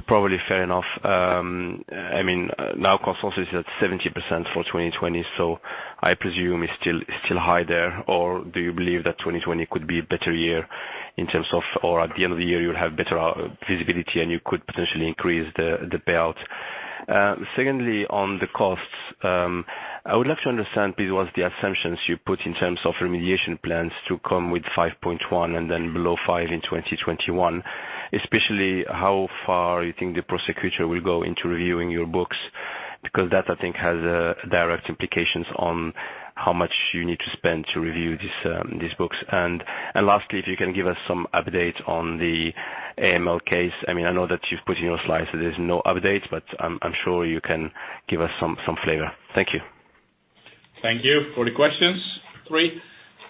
probably fair enough. Now the consensus is at 70% for 2020, so I presume it's still high there. Do you believe that 2020 could be a better year in terms of, or at the end of the year, you'll have better visibility, and you could potentially increase the payout? Secondly, on the costs, I would like to understand, please, what's the assumptions you put in terms of remediation plans to come with 5.1 billion and then below 5 billion in 2021, especially how far you think the prosecutor will go into reviewing your books, because that, I think, has direct implications on how much you need to spend to review these books. Lastly, if you can give us some update on the AML case. I know that you've put in your slides that there's no update. I'm sure you can give us some flavor. Thank you. Thank you for the questions. Three.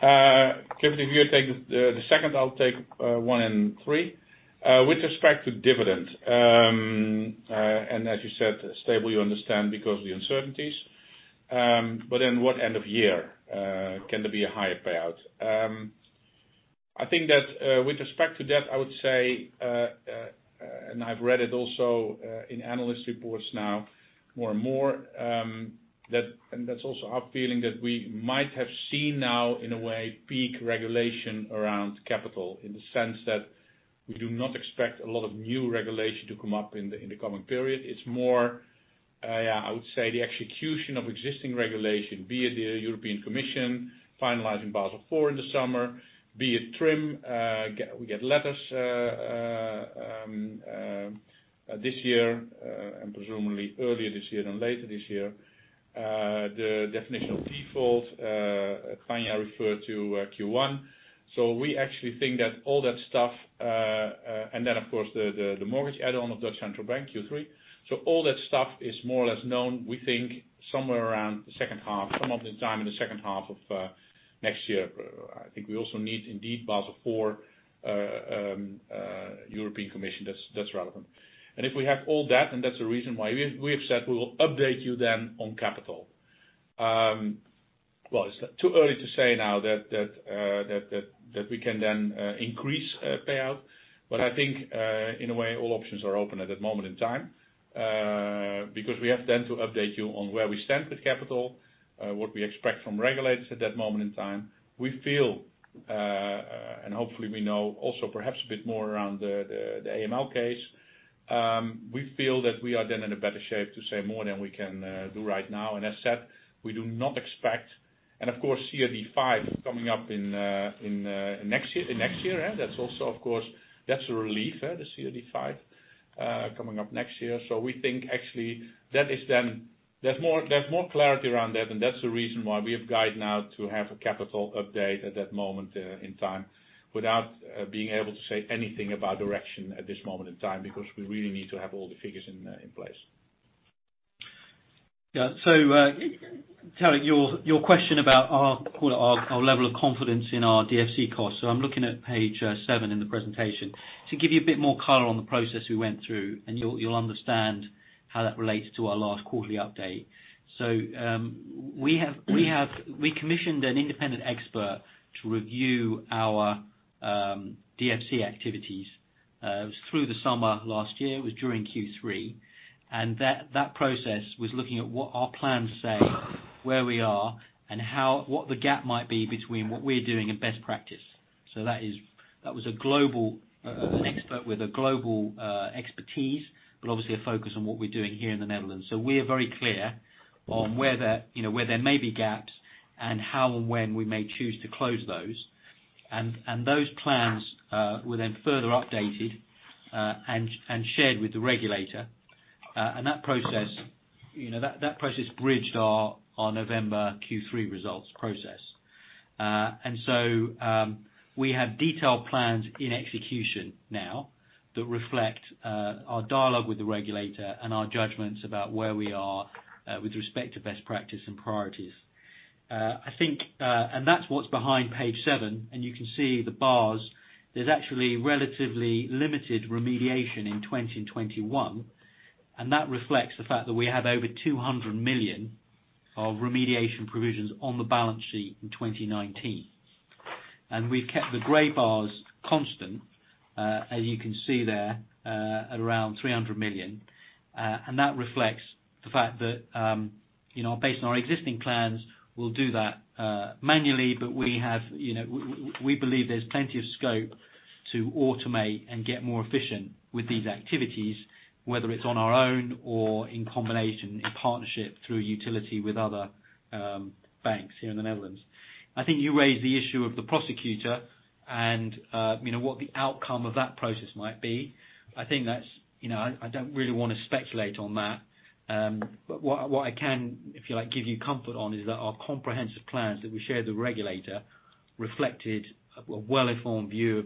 Clifford, if you take the second, I'll take one and three. With respect to dividends, and as you said, stable, you understand because of the uncertainties. What end of the year can there be a higher payout? I think that with respect to that, I would say, and I've read it also in analyst reports now more and more, and that's also our feeling that we might have seen now, in a way, peak regulation around capital in the sense that we do not expect a lot of new regulation to come up in the coming period. It's more, I would say, the execution of existing regulation, be it the European Commission finalizing Basel IV in the summer, be it TRIM. We get letters this year, and presumably earlier this year than later this year. The definition of default, Tanja refers to Q1. We actually think that all that stuff, and then of course, the mortgage add-on of De Nederlandsche Bank Q3. All that stuff is more or less known. We think somewhere around the second half, some of the time in the second half of next year. I think we also need Basel IV, the European Commission, that's relevant. If we have all that, and that's the reason why we have said we will update you, then on capital. Well, it's too early to say now that we can then increase the payout. I think, in a way, all options are open at that moment in time, because we have to update you on where we stand with capital, what we expect from regulators at that moment in time. We feel, and hopefully we know also, perhaps a bit more about the AML case. We feel that we are then in a better shape to say more than we can do right now, and as said, we do not expect and of course, CRD V coming up in next year. That's a relief, the CRD V coming up next year. We think actually there's more clarity around that, and that's the reason why we have a guide now to have a capital update at that moment in time, without being able to say anything about direction at this moment in time, because we really need to have all the figures in place. Tarik, your question about our level of confidence in our DFC cost. I'm looking at page seven in the presentation. To give you a bit more color on the process we went through, you'll understand how that relates to our last quarterly update. We commissioned an independent expert to review our DFC activities. It was through the summer last year, it was during Q3, and that process was looking at what our plans say, where we are, and what the gap might be between what we're doing and best practice. That was an expert with a global expertise, but obviously a focus on what we're doing here in the Netherlands. We're very clear on where there may be gaps and how and when we may choose to close those. Those plans were then further updated and shared with the regulator. That process bridged our November Q3 results process. We have detailed plans in execution now that reflect our dialogue with the regulator and our judgments about where we are with respect to best practice and priorities. That's what's behind page seven, and you can see the bars. There's actually relatively limited remediation in 2021, and that reflects the fact that we have over 200 million of remediation provisions on the balance sheet in 2019. We've kept the gray bars constant, as you can see there, at around 300 million. That reflects the fact that, based on our existing plans, we'll do that manually, but we believe there's plenty of scope to automate and get more efficient with these activities, whether it's on our own or in combination, in partnership through utility with other banks here in the Netherlands. I think you raised the issue of the prosecutor and what the outcome of that process might be. I don't really want to speculate on that. What I can, if you like, give you comfort on is that our comprehensive plans that we share with the regulator reflected a well-informed view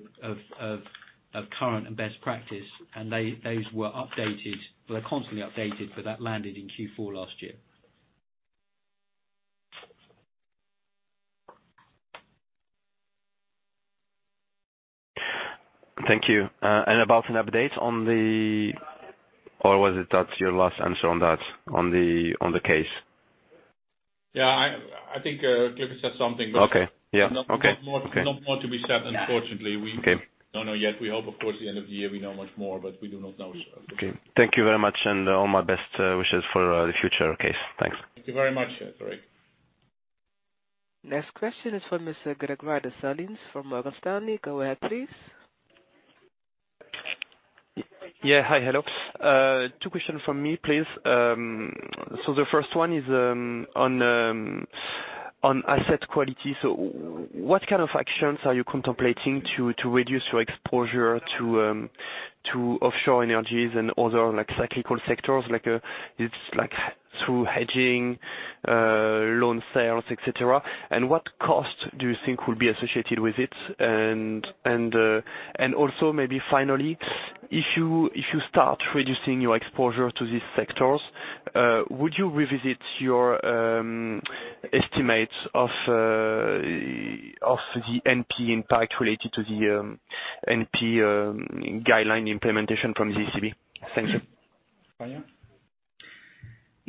of current and best practice, and those were constantly updated, but that landed in Q4 last year. Thank you. About an update on the or was it that's your last answer on that, on the case? Yeah, I think Clifford said something but- Okay. Yeah. Okay. Not more to be said, unfortunately. Okay. We don't know yet. We hope, of course, that by the end of the year we will know much more, but we do not know. Okay. Thank you very much. All my best wishes for the future, Kees. Thanks. Thank you very much, Tarik. Next question is from Mr. Gregoire de Salins from Morgan Stanley. Go ahead, please. Yeah. Hi. Hello. Two questions from me, please. The first one is on asset quality. What kind of actions are you contemplating to reduce your exposure to offshore energies and other cyclical sectors, such as through hedging, loan sales, et cetera? What cost do you think will be associated with it? Maybe finally, if you start reducing your exposure to these sectors, would you revisit your estimates of the NPE impact related to the NPE guideline implementation from the ECB? Thank you.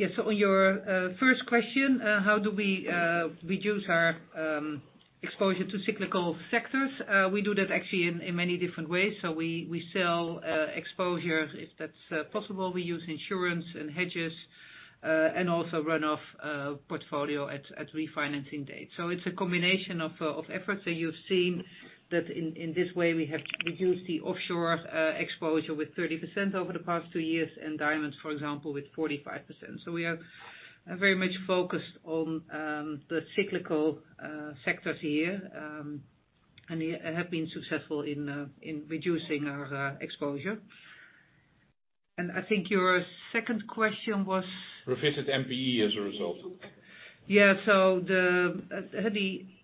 Tanja? Yes. On your first question, how do we reduce our exposure to cyclical sectors? We do that actually in many different ways. We sell exposure if that's possible. We use insurance and hedges, also run off portfolio at the refinancing date. It's a combination of efforts. You've seen that in this way we have reduced the offshore exposure with 30% over the past two years, and diamonds, for example, with 45%. We are very much focused on the cyclical sectors here and have been successful in reducing our exposure. I think your second question was? Revisit NPE as a result. The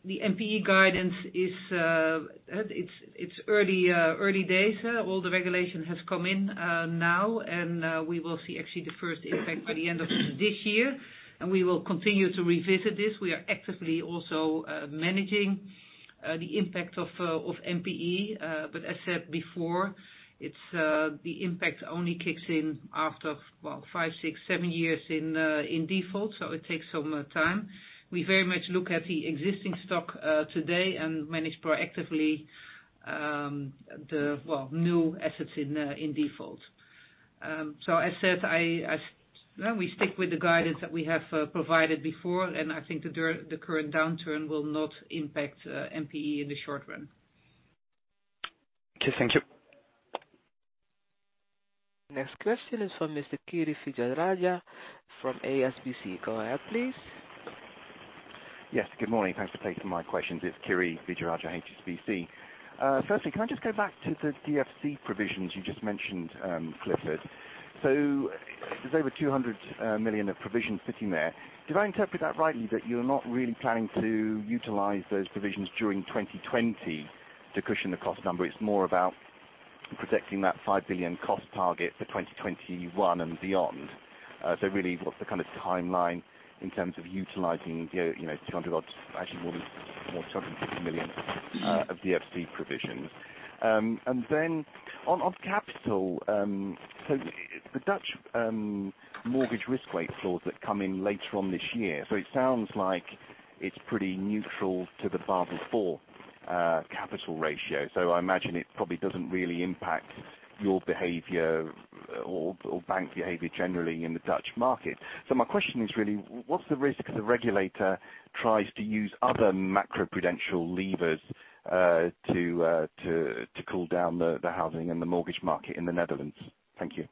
NPE guidance it's early days. All the regulations have come in now, and we will see actually the first impact by the end of this year. We will continue to revisit this. We are actively also managing the impact of NPE. As said before, the impact only kicks in after, well, five, six, seven years in default, so it takes some time. We very much look at the existing stock today and manage the new assets proactively in default. As said, we stick with the guidance that we have provided before, and I think the current downturn will not impact NPE in the short run. Okay. Thank you. Next question is from Mr. Kiri Vijayarajah from HSBC. Go ahead, please. Yes, good morning. Thanks for taking my questions. It's Kiri Vijayarajah, HSBC. Can I just go back to the DFC provisions you just mentioned, Clifford? There's over 200 million of provisions sitting there. Did I interpret that rightly that you're not really planning to utilize those provisions during 2020 to cushion the cost number? It's more about protecting that 5 billion cost target for 2021 and beyond. Really, what's the kind of timeline in terms of utilizing the 200-odd million, actually more than 250 million of DFC provisions? On capital, the Dutch mortgage risk weight floors that come in later this year. It sounds like it's pretty neutral to the Basel IV capital ratio. I imagine it probably doesn't really impact your behavior or bank behavior generally in the Dutch market. My question is really, what's the risk that the regulator tries to use other macroprudential levers to cool down the housing and the mortgage market in the Netherlands? Thank you.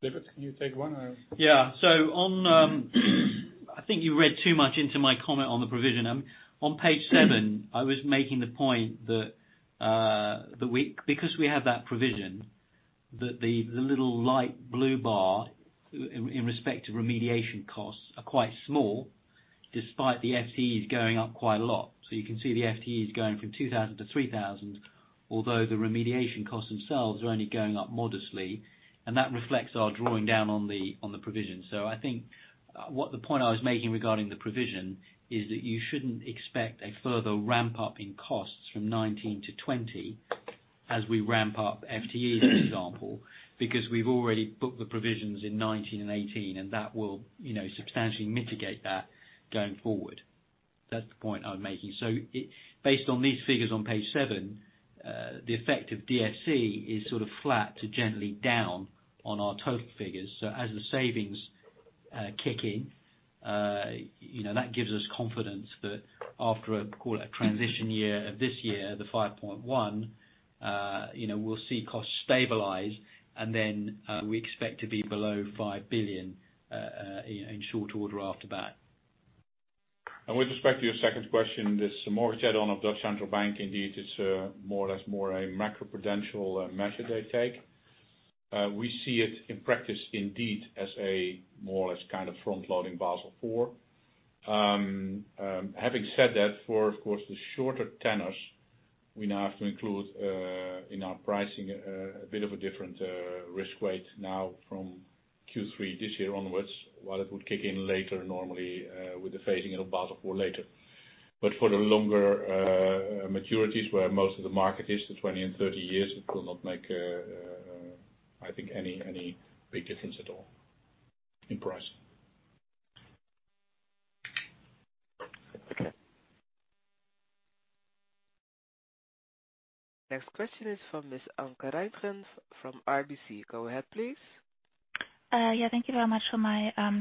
Clifford, can you take one? Yeah. I think you read too much into my comment on the provision. On page seven, I was making the point that because we have that provision, the little light blue bar with respect to remediation costs is quite small, despite the FTEs going up quite a lot. You can see the FTEs going from 2,000 to 3,000, although the remediation costs themselves are only going up modestly, and that reflects our drawing down on the provision. I think the point I was making regarding the provision is that you shouldn't expect a further ramp-up in costs from 2019 to 2020 as we ramp up FTEs, for example, because we've already booked the provisions in 2019 and 2018, and that will substantially mitigate that going forward. That's the point I'm making. Based on these figures on page seven, the effect of DFC is sort of flat to gently down on our total figures. As the savings kick in, that gives us confidence that after, call it, a transition year of this year, the 5.1 billion, we'll see costs stabilize, and then we expect to be below 5 billion in short order after that. With respect to your second question, this mortgage add-on of De Nederlandsche Bank, indeed, is more or less a macroprudential measure they take. We see it in practice, indeed, as a more or less kind of front-loading of Basel IV. Having said that, of course, the shorter tenors, we now have to include in our pricing a bit of a different risk weight now from Q3 this year onwards, while it would kick in later normally with the phasing of Basel IV later. For the longer maturities where most of the market is, the 20 and 30 years, it will not make, I think, any big difference at all in pricing. Okay. Next question is from Ms. Anke Reingen from RBC. Go ahead, please. Thank you very much for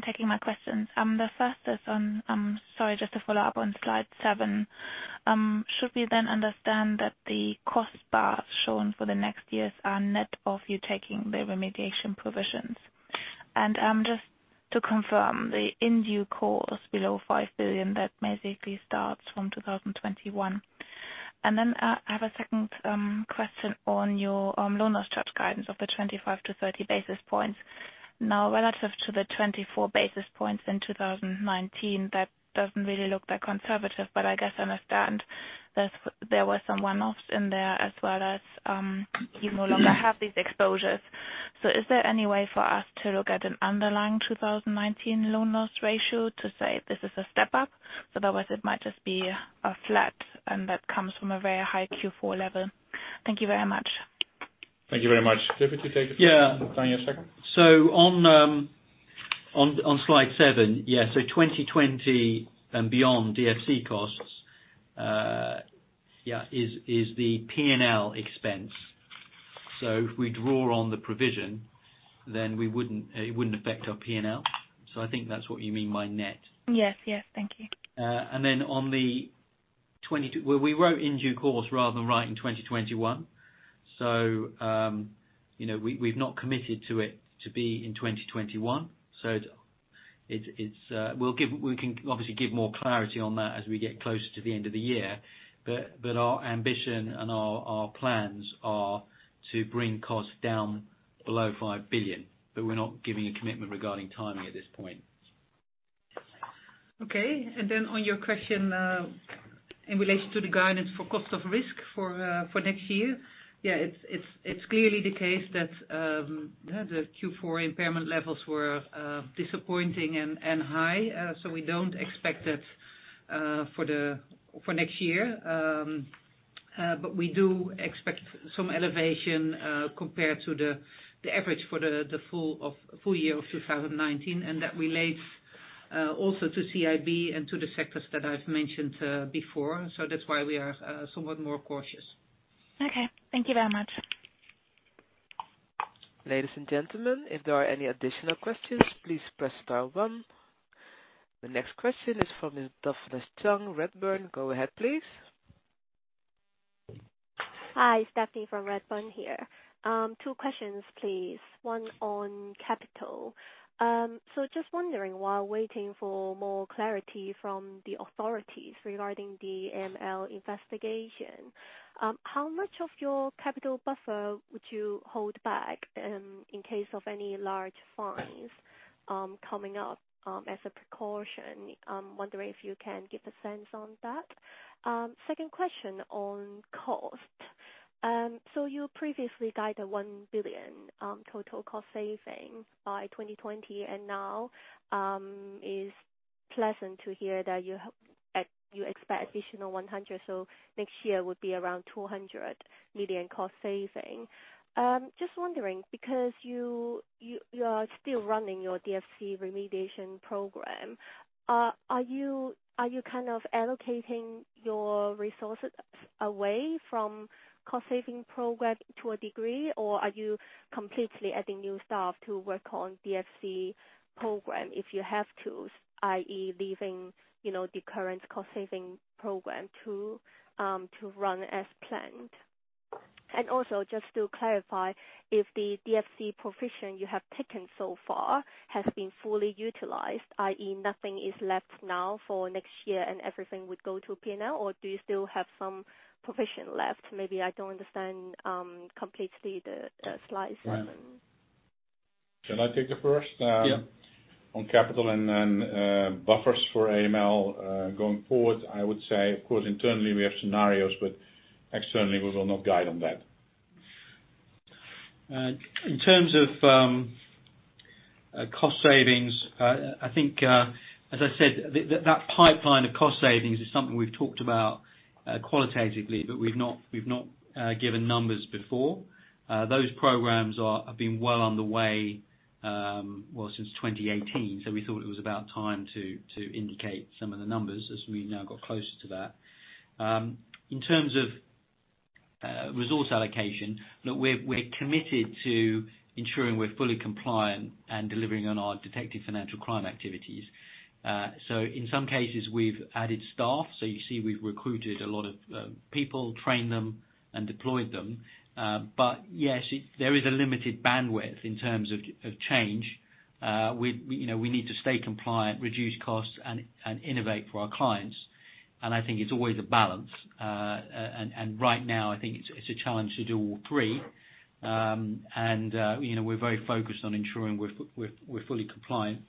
taking my questions. The first is just to follow up on slide seven. Should we understand that the cost bars shown for the next years are net of you taking the remediation provisions? Just to confirm, in BaU cost below 5 billion, which basically starts from 2021. I have a second question on your loan loss charge guidance of the 25-30 basis points. Relative to the 24 basis points in 2019, that doesn't really look that conservative, but I guess I understand that there were some one-offs in there, as well as you no longer have these exposures. Is there any way for us to look at an underlying 2019 loan loss ratio to say this is a step up? Otherwise, it might just be a flat. That comes from a very high Q4 level. Thank you very much. Thank you very much. Clifford, can you take it? Yeah. And then Tanja second. On slide seven. Yeah. 2020 and beyond, DFC costs is the P&L expense. If we draw on the provision, then it wouldn't affect our P&L. I think that's what you mean by net. Yes. Thank you. Well, we wrote in due course rather than writing 2021. We've not committed to it to be in 2021. We can obviously give more clarity on that as we get closer to the end of the year. Our ambition and our plans are to bring costs down below 5 billion, but we're not giving a commitment regarding timing at this point. Okay. On your question, in relation to the guidance for the cost of risk for next year. It's clearly the case that the Q4 impairment levels were disappointing and high. We don't expect that for next year. We do expect some elevation, compared to the average for the full year of 2019. That also relates to CIB and to the sectors that I've mentioned before. That's why we are somewhat more cautious. Okay. Thank you very much. Ladies and gentlemen, if there are any additional questions, please press star one. The next question is from Ms. Daphne Tsang, Redburn. Go ahead, please. Hi, Daphne from Redburn here. Two questions, please. One on capital. Just wondering, while waiting for more clarity from the authorities regarding the AML investigation, how much of your capital buffer would you hold back in case of any large fines coming up, as a precaution? I'm wondering if you can give a sense of that. Second question on cost. You previously guided 1 billion, total cost saving by 2020, and now, it's pleasant to hear that you expect an additional 100 million, next year would be around 200 million cost saving. Just wondering because you are still running your DFC remediation program. Are you allocating your resources away from cost-saving programs to a degree, or are you completely adding new staff to work on the DFC program if you have to, i.e., leaving the current cost-saving program to run as planned? Also, just to clarify, if the DFC provision you have taken so far has been fully utilized, i.e., nothing is left now for next year, and everything would go to P&L, or do you still have some provision left? Maybe I don't understand the slides completely. Can I take the first? Yeah. On capital and then buffers for AML, going forward, I would say, of course, internally, we have scenarios, but externally, we will not guide on that. In terms of cost savings, I think, as I said, that pipeline of cost savings is something we've talked about qualitatively, but we've not given numbers before. Those programs have been well on their way since 2018. We thought it was about time to indicate some of the numbers, as we are now getting closer to that. In terms of resource allocation, look, we're committed to ensuring we're fully compliant and delivering on our detecting financial crime activities. In some cases, we've added staff. You see, we've recruited a lot of people, trained them, and deployed them. Yes, there is a limited bandwidth in terms of change. We need to stay compliant, reduce costs, and innovate for our clients. I think it's always a balance. Right now, I think it's a challenge to do all three. We're very focused on ensuring we're fully compliant.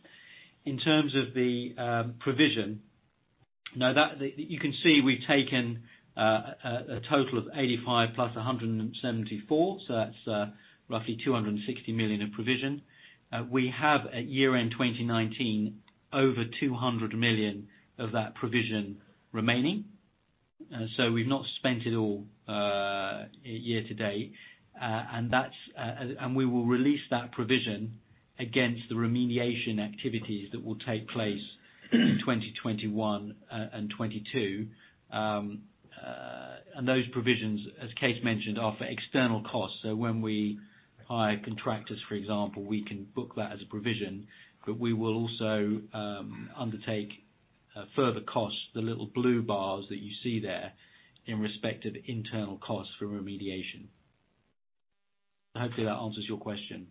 In terms of the provision, you can see we've taken a total of 85 million plus 174 million, so that's roughly 260 million in provision. We have at year-end 2019, over 200 million of that provision remaining. We've not spent it all year to date. We will release that provision against the remediation activities that will take place in 2021 and 2022. Those provisions, as Kees mentioned, are for external costs. When we hire contractors, for example, we can book that as a provision, but we will also undertake further costs, the little blue bars that you see there in respect of internal costs for remediation. Hopefully, that answers your question.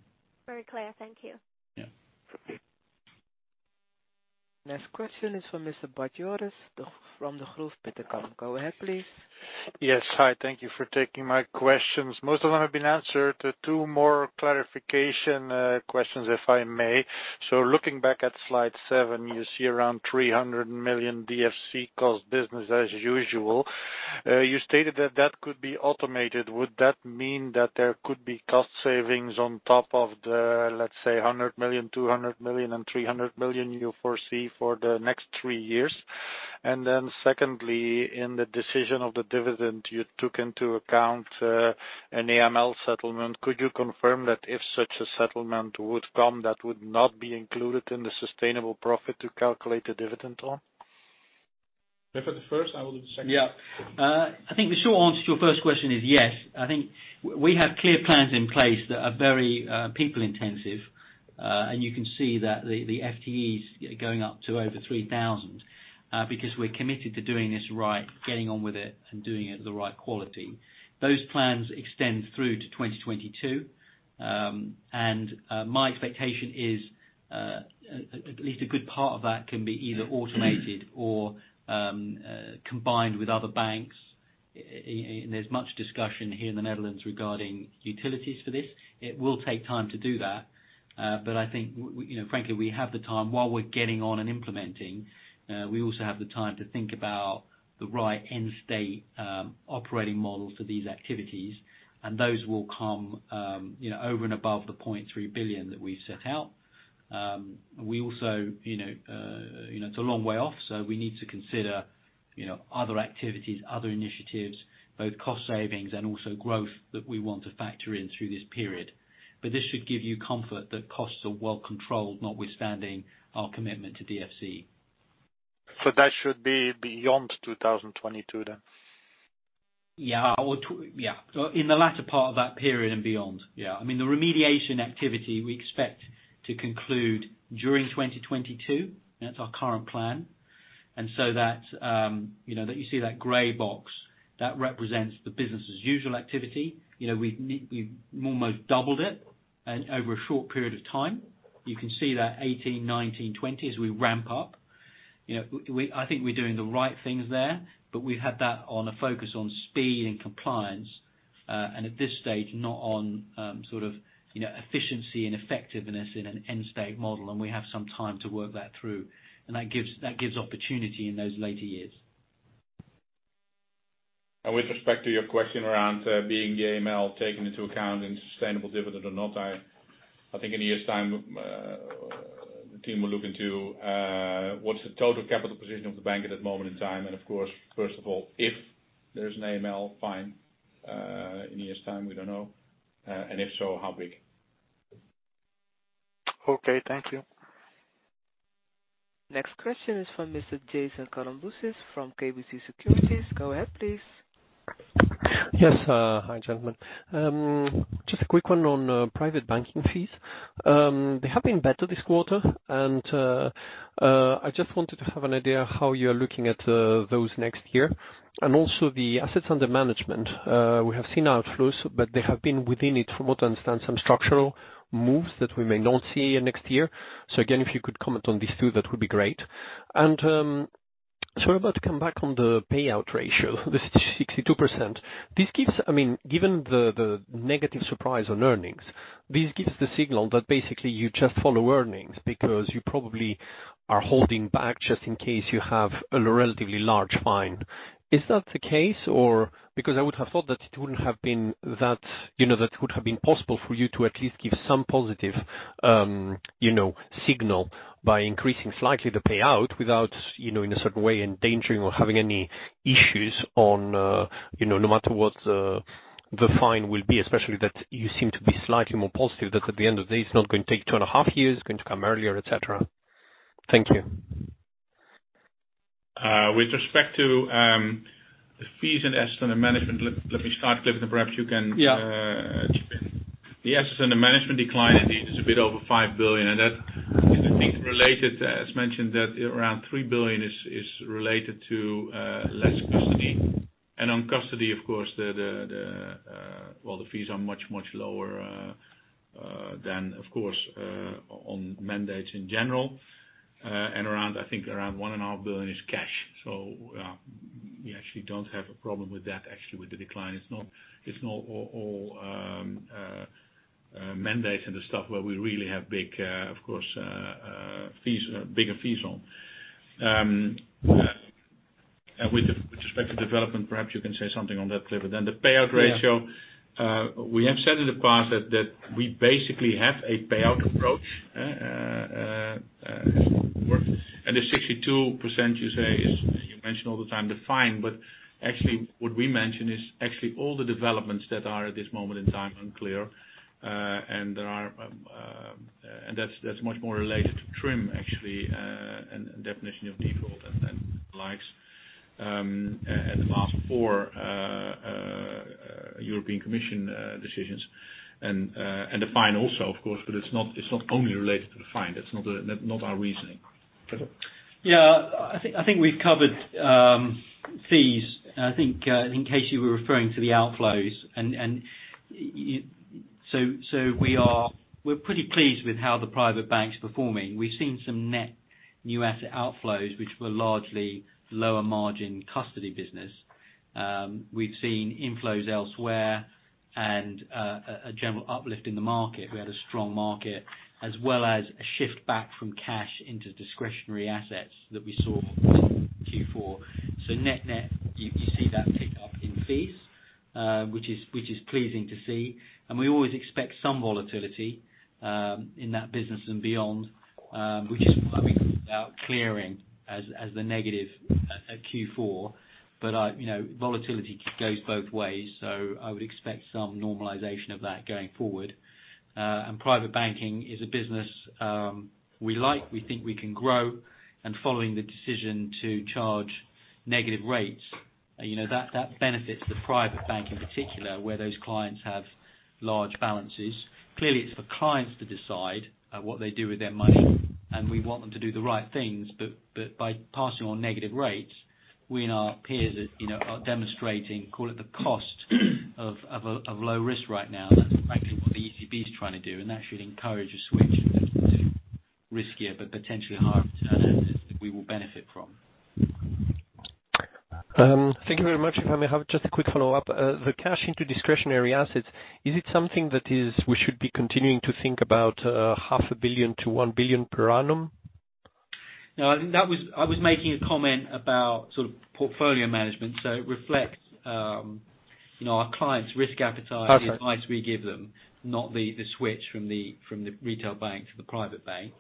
Very clear. Thank you. Yeah. Next question is from Mr. Bart Jooris from Degroof Petercam. Go ahead, please. Yes. Hi. Thank you for taking my questions. Most of them have been answered. Two more clarification questions, if I may. Looking back at slide seven, you see around 300 million DFC cost business as usual. You stated that that could be automated. Would that mean that there could be cost savings on top of the, let's say, 100 million, 200 million, and 300 million you foresee for the next three years? Secondly, in the decision of the dividend, you took into account an AML settlement. Could you confirm that if such a settlement were to come, that would not be included in the sustainable profit to calculate the dividend on? Clifford, the first, I will do the second. Yeah. I think the short answer to your first question is yes. I think we have clear plans in place that are very people-intensive. You can see that the FTEs are going up to over 3,000, because we're committed to doing this right, getting on with it, and doing it at the right quality. Those plans extend through to 2022. My expectation is that at least a good part of that can be either automated or combined with other banks. There's much discussion here in the Netherlands regarding utilities for this. It will take time to do that. I think, frankly, we have the time while we're getting on and implementing. We also have the time to think about the right end state operating models for these activities, and those will come over and above the 0.3 billion that we set out. It's a long way off. We need to consider other activities, other initiatives, both cost savings and growth that we want to factor in through this period. This should give you comfort that costs are well controlled, notwithstanding our commitment to DFC. That should be beyond 2022, then? Yeah. In the latter part of that period and beyond, yeah. The remediation activity we expect to conclude during 2022. That's our current plan. That you see that gray box, which represents the business-as-usual activity. We've almost doubled it over a short period of time. You can see that 2018, 2019, and 2020, as we ramp up. I think we're doing the right things there, but we've had that on a focus on speed and compliance. At this stage, not about efficiency and effectiveness in an end state model. We have some time to work that through. That gives an opportunity in those later years. With respect to your question around whether the AML is taken into account in sustainable dividend or not, I think in a year's time, the team will look into the total capital position of the bank at that moment in time. Of course, first of all, if there's an AML fine in a year's time, we don't know, and if so, how big. Okay. Thank you. Next question is from Mr. Jason Kalamboussis from KBC Securities. Go ahead, please. Yes. Hi, gentlemen. Just a quick one on Private Banking fees. They have been better this quarter, and I just wanted to have an idea of how you're looking at those next year, and also the assets under management. We have seen outflows, but they have been within it, from what I understand, some structural moves that we may not see next year. Again, if you could comment on these two, that would be great. Sorry, to come back on the payout ratio, the 62%. Given the negative surprise on earnings, this gives the signal that basically you just follow earnings because you probably are holding back just in case you have a relatively large fine. Is that the case? I would have thought that it would have been possible for you to at least give some positive signal by increasing slightly the payout without, in a certain way, endangering or having any issues no matter what the fine will be, especially that you seem to be slightly more positive that at the end of the day, it's not going to take two and a half years, it's going to come earlier, et cetera. Thank you. With respect to the fees and assets under management, let me start, Clifford, and perhaps you can chip in. Yeah. The assets under management decline indeed is a bit over 5 billion, that is, I think, related, as mentioned, that around 3 billion is related to less custody. On custody, of course, the fees are much, much lower than, of course, on mandates in general. Around, I think, 1.5 billion is cash. We actually don't have a problem with that. Actually, with the decline, it's not all mandates and the stuff where we really have bigger fees on. With respect to development, perhaps you can say something on that, Clifford. And then the payout ratio- Yeah. We have said in the past that we basically have a payout approach at work. The 62%, you say, as you mention all the time, the fine, but actually, what we mention is actually all the developments that are, at this moment in time, unclear. That's much more related to TRIM, actually, and the definition of default and the likes, and the last four European Commission decisions. The fine is also, of course, but it's not only related to the fine. That's not our reasoning. Clifford? Yeah. I think we've covered fees. I think that you were referring to the outflows. We're pretty pleased with how the private bank's performing. We've seen some net new asset outflows, which were largely lower margin custody business. We've seen inflows elsewhere. A general uplift in the market. We had a strong market, as well as a shift back from cash into discretionary assets that we saw in Q4. Net net, you see that tick up in fees, which is pleasing to see. We always expect some volatility in that business and beyond, which is probably now clearing as the negative in Q4. Volatility goes both ways, so I would expect some normalization of that going forward. Private Banking is a business we like; we think we can grow. Following the decision to charge negative rates, which benefits the private bank in particular, where those clients have large balances. Clearly, it's for clients to decide what they do with their money, and we want them to do the right things. By passing on negative rates, our peers and we are demonstrating, call it the cost of low risk right now. That's frankly what the ECB is trying to do, and that should encourage a switch into riskier but potentially higher return assets that we will benefit from. Thank you very much. If I may have just a quick follow-up. The cash into discretionary assets, is it something that we should be continuing to think about 0.5 billion-1 billion per annum? No, I was making a comment about portfolio management, so it reflects our clients' risk appetite- Perfect. And the advice we give them, not the switch from the retail bank to the private bank.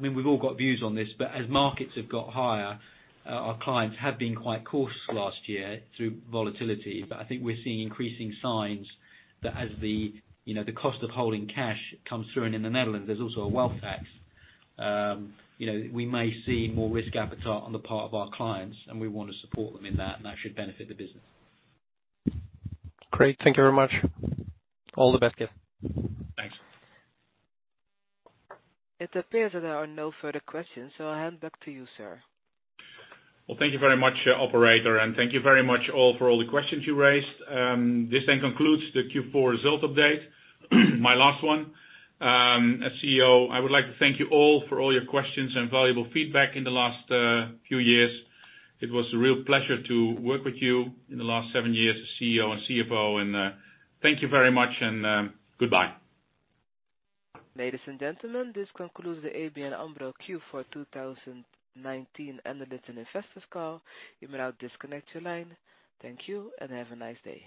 We've all got views on this, but as markets have got higher, our clients have been quite cautious last year through volatility. I think we're seeing increasing signs that, as the cost of holding cash comes through, and in the Netherlands, there's also a wealth tax, we may see more risk appetite on the part of our clients, and we want to support them in that, and that should benefit the business. Great. Thank you very much. All the best. Thanks. It appears that there are no further questions, so I'll hand back to you, sir. Thank you very much, operator, and thank you very much to all for all the questions you raised. This concludes the Q4 result update, my last one as CEO. I would like to thank you all for all your questions and valuable feedback in the last few years. It was a real pleasure to work with you in the last seven years as CEO and CFO. Thank you very much, and goodbye. Ladies and gentlemen, this concludes the ABN AMRO Q4 2019 analyst and investor call. You may now disconnect your line. Thank you, and have a nice day.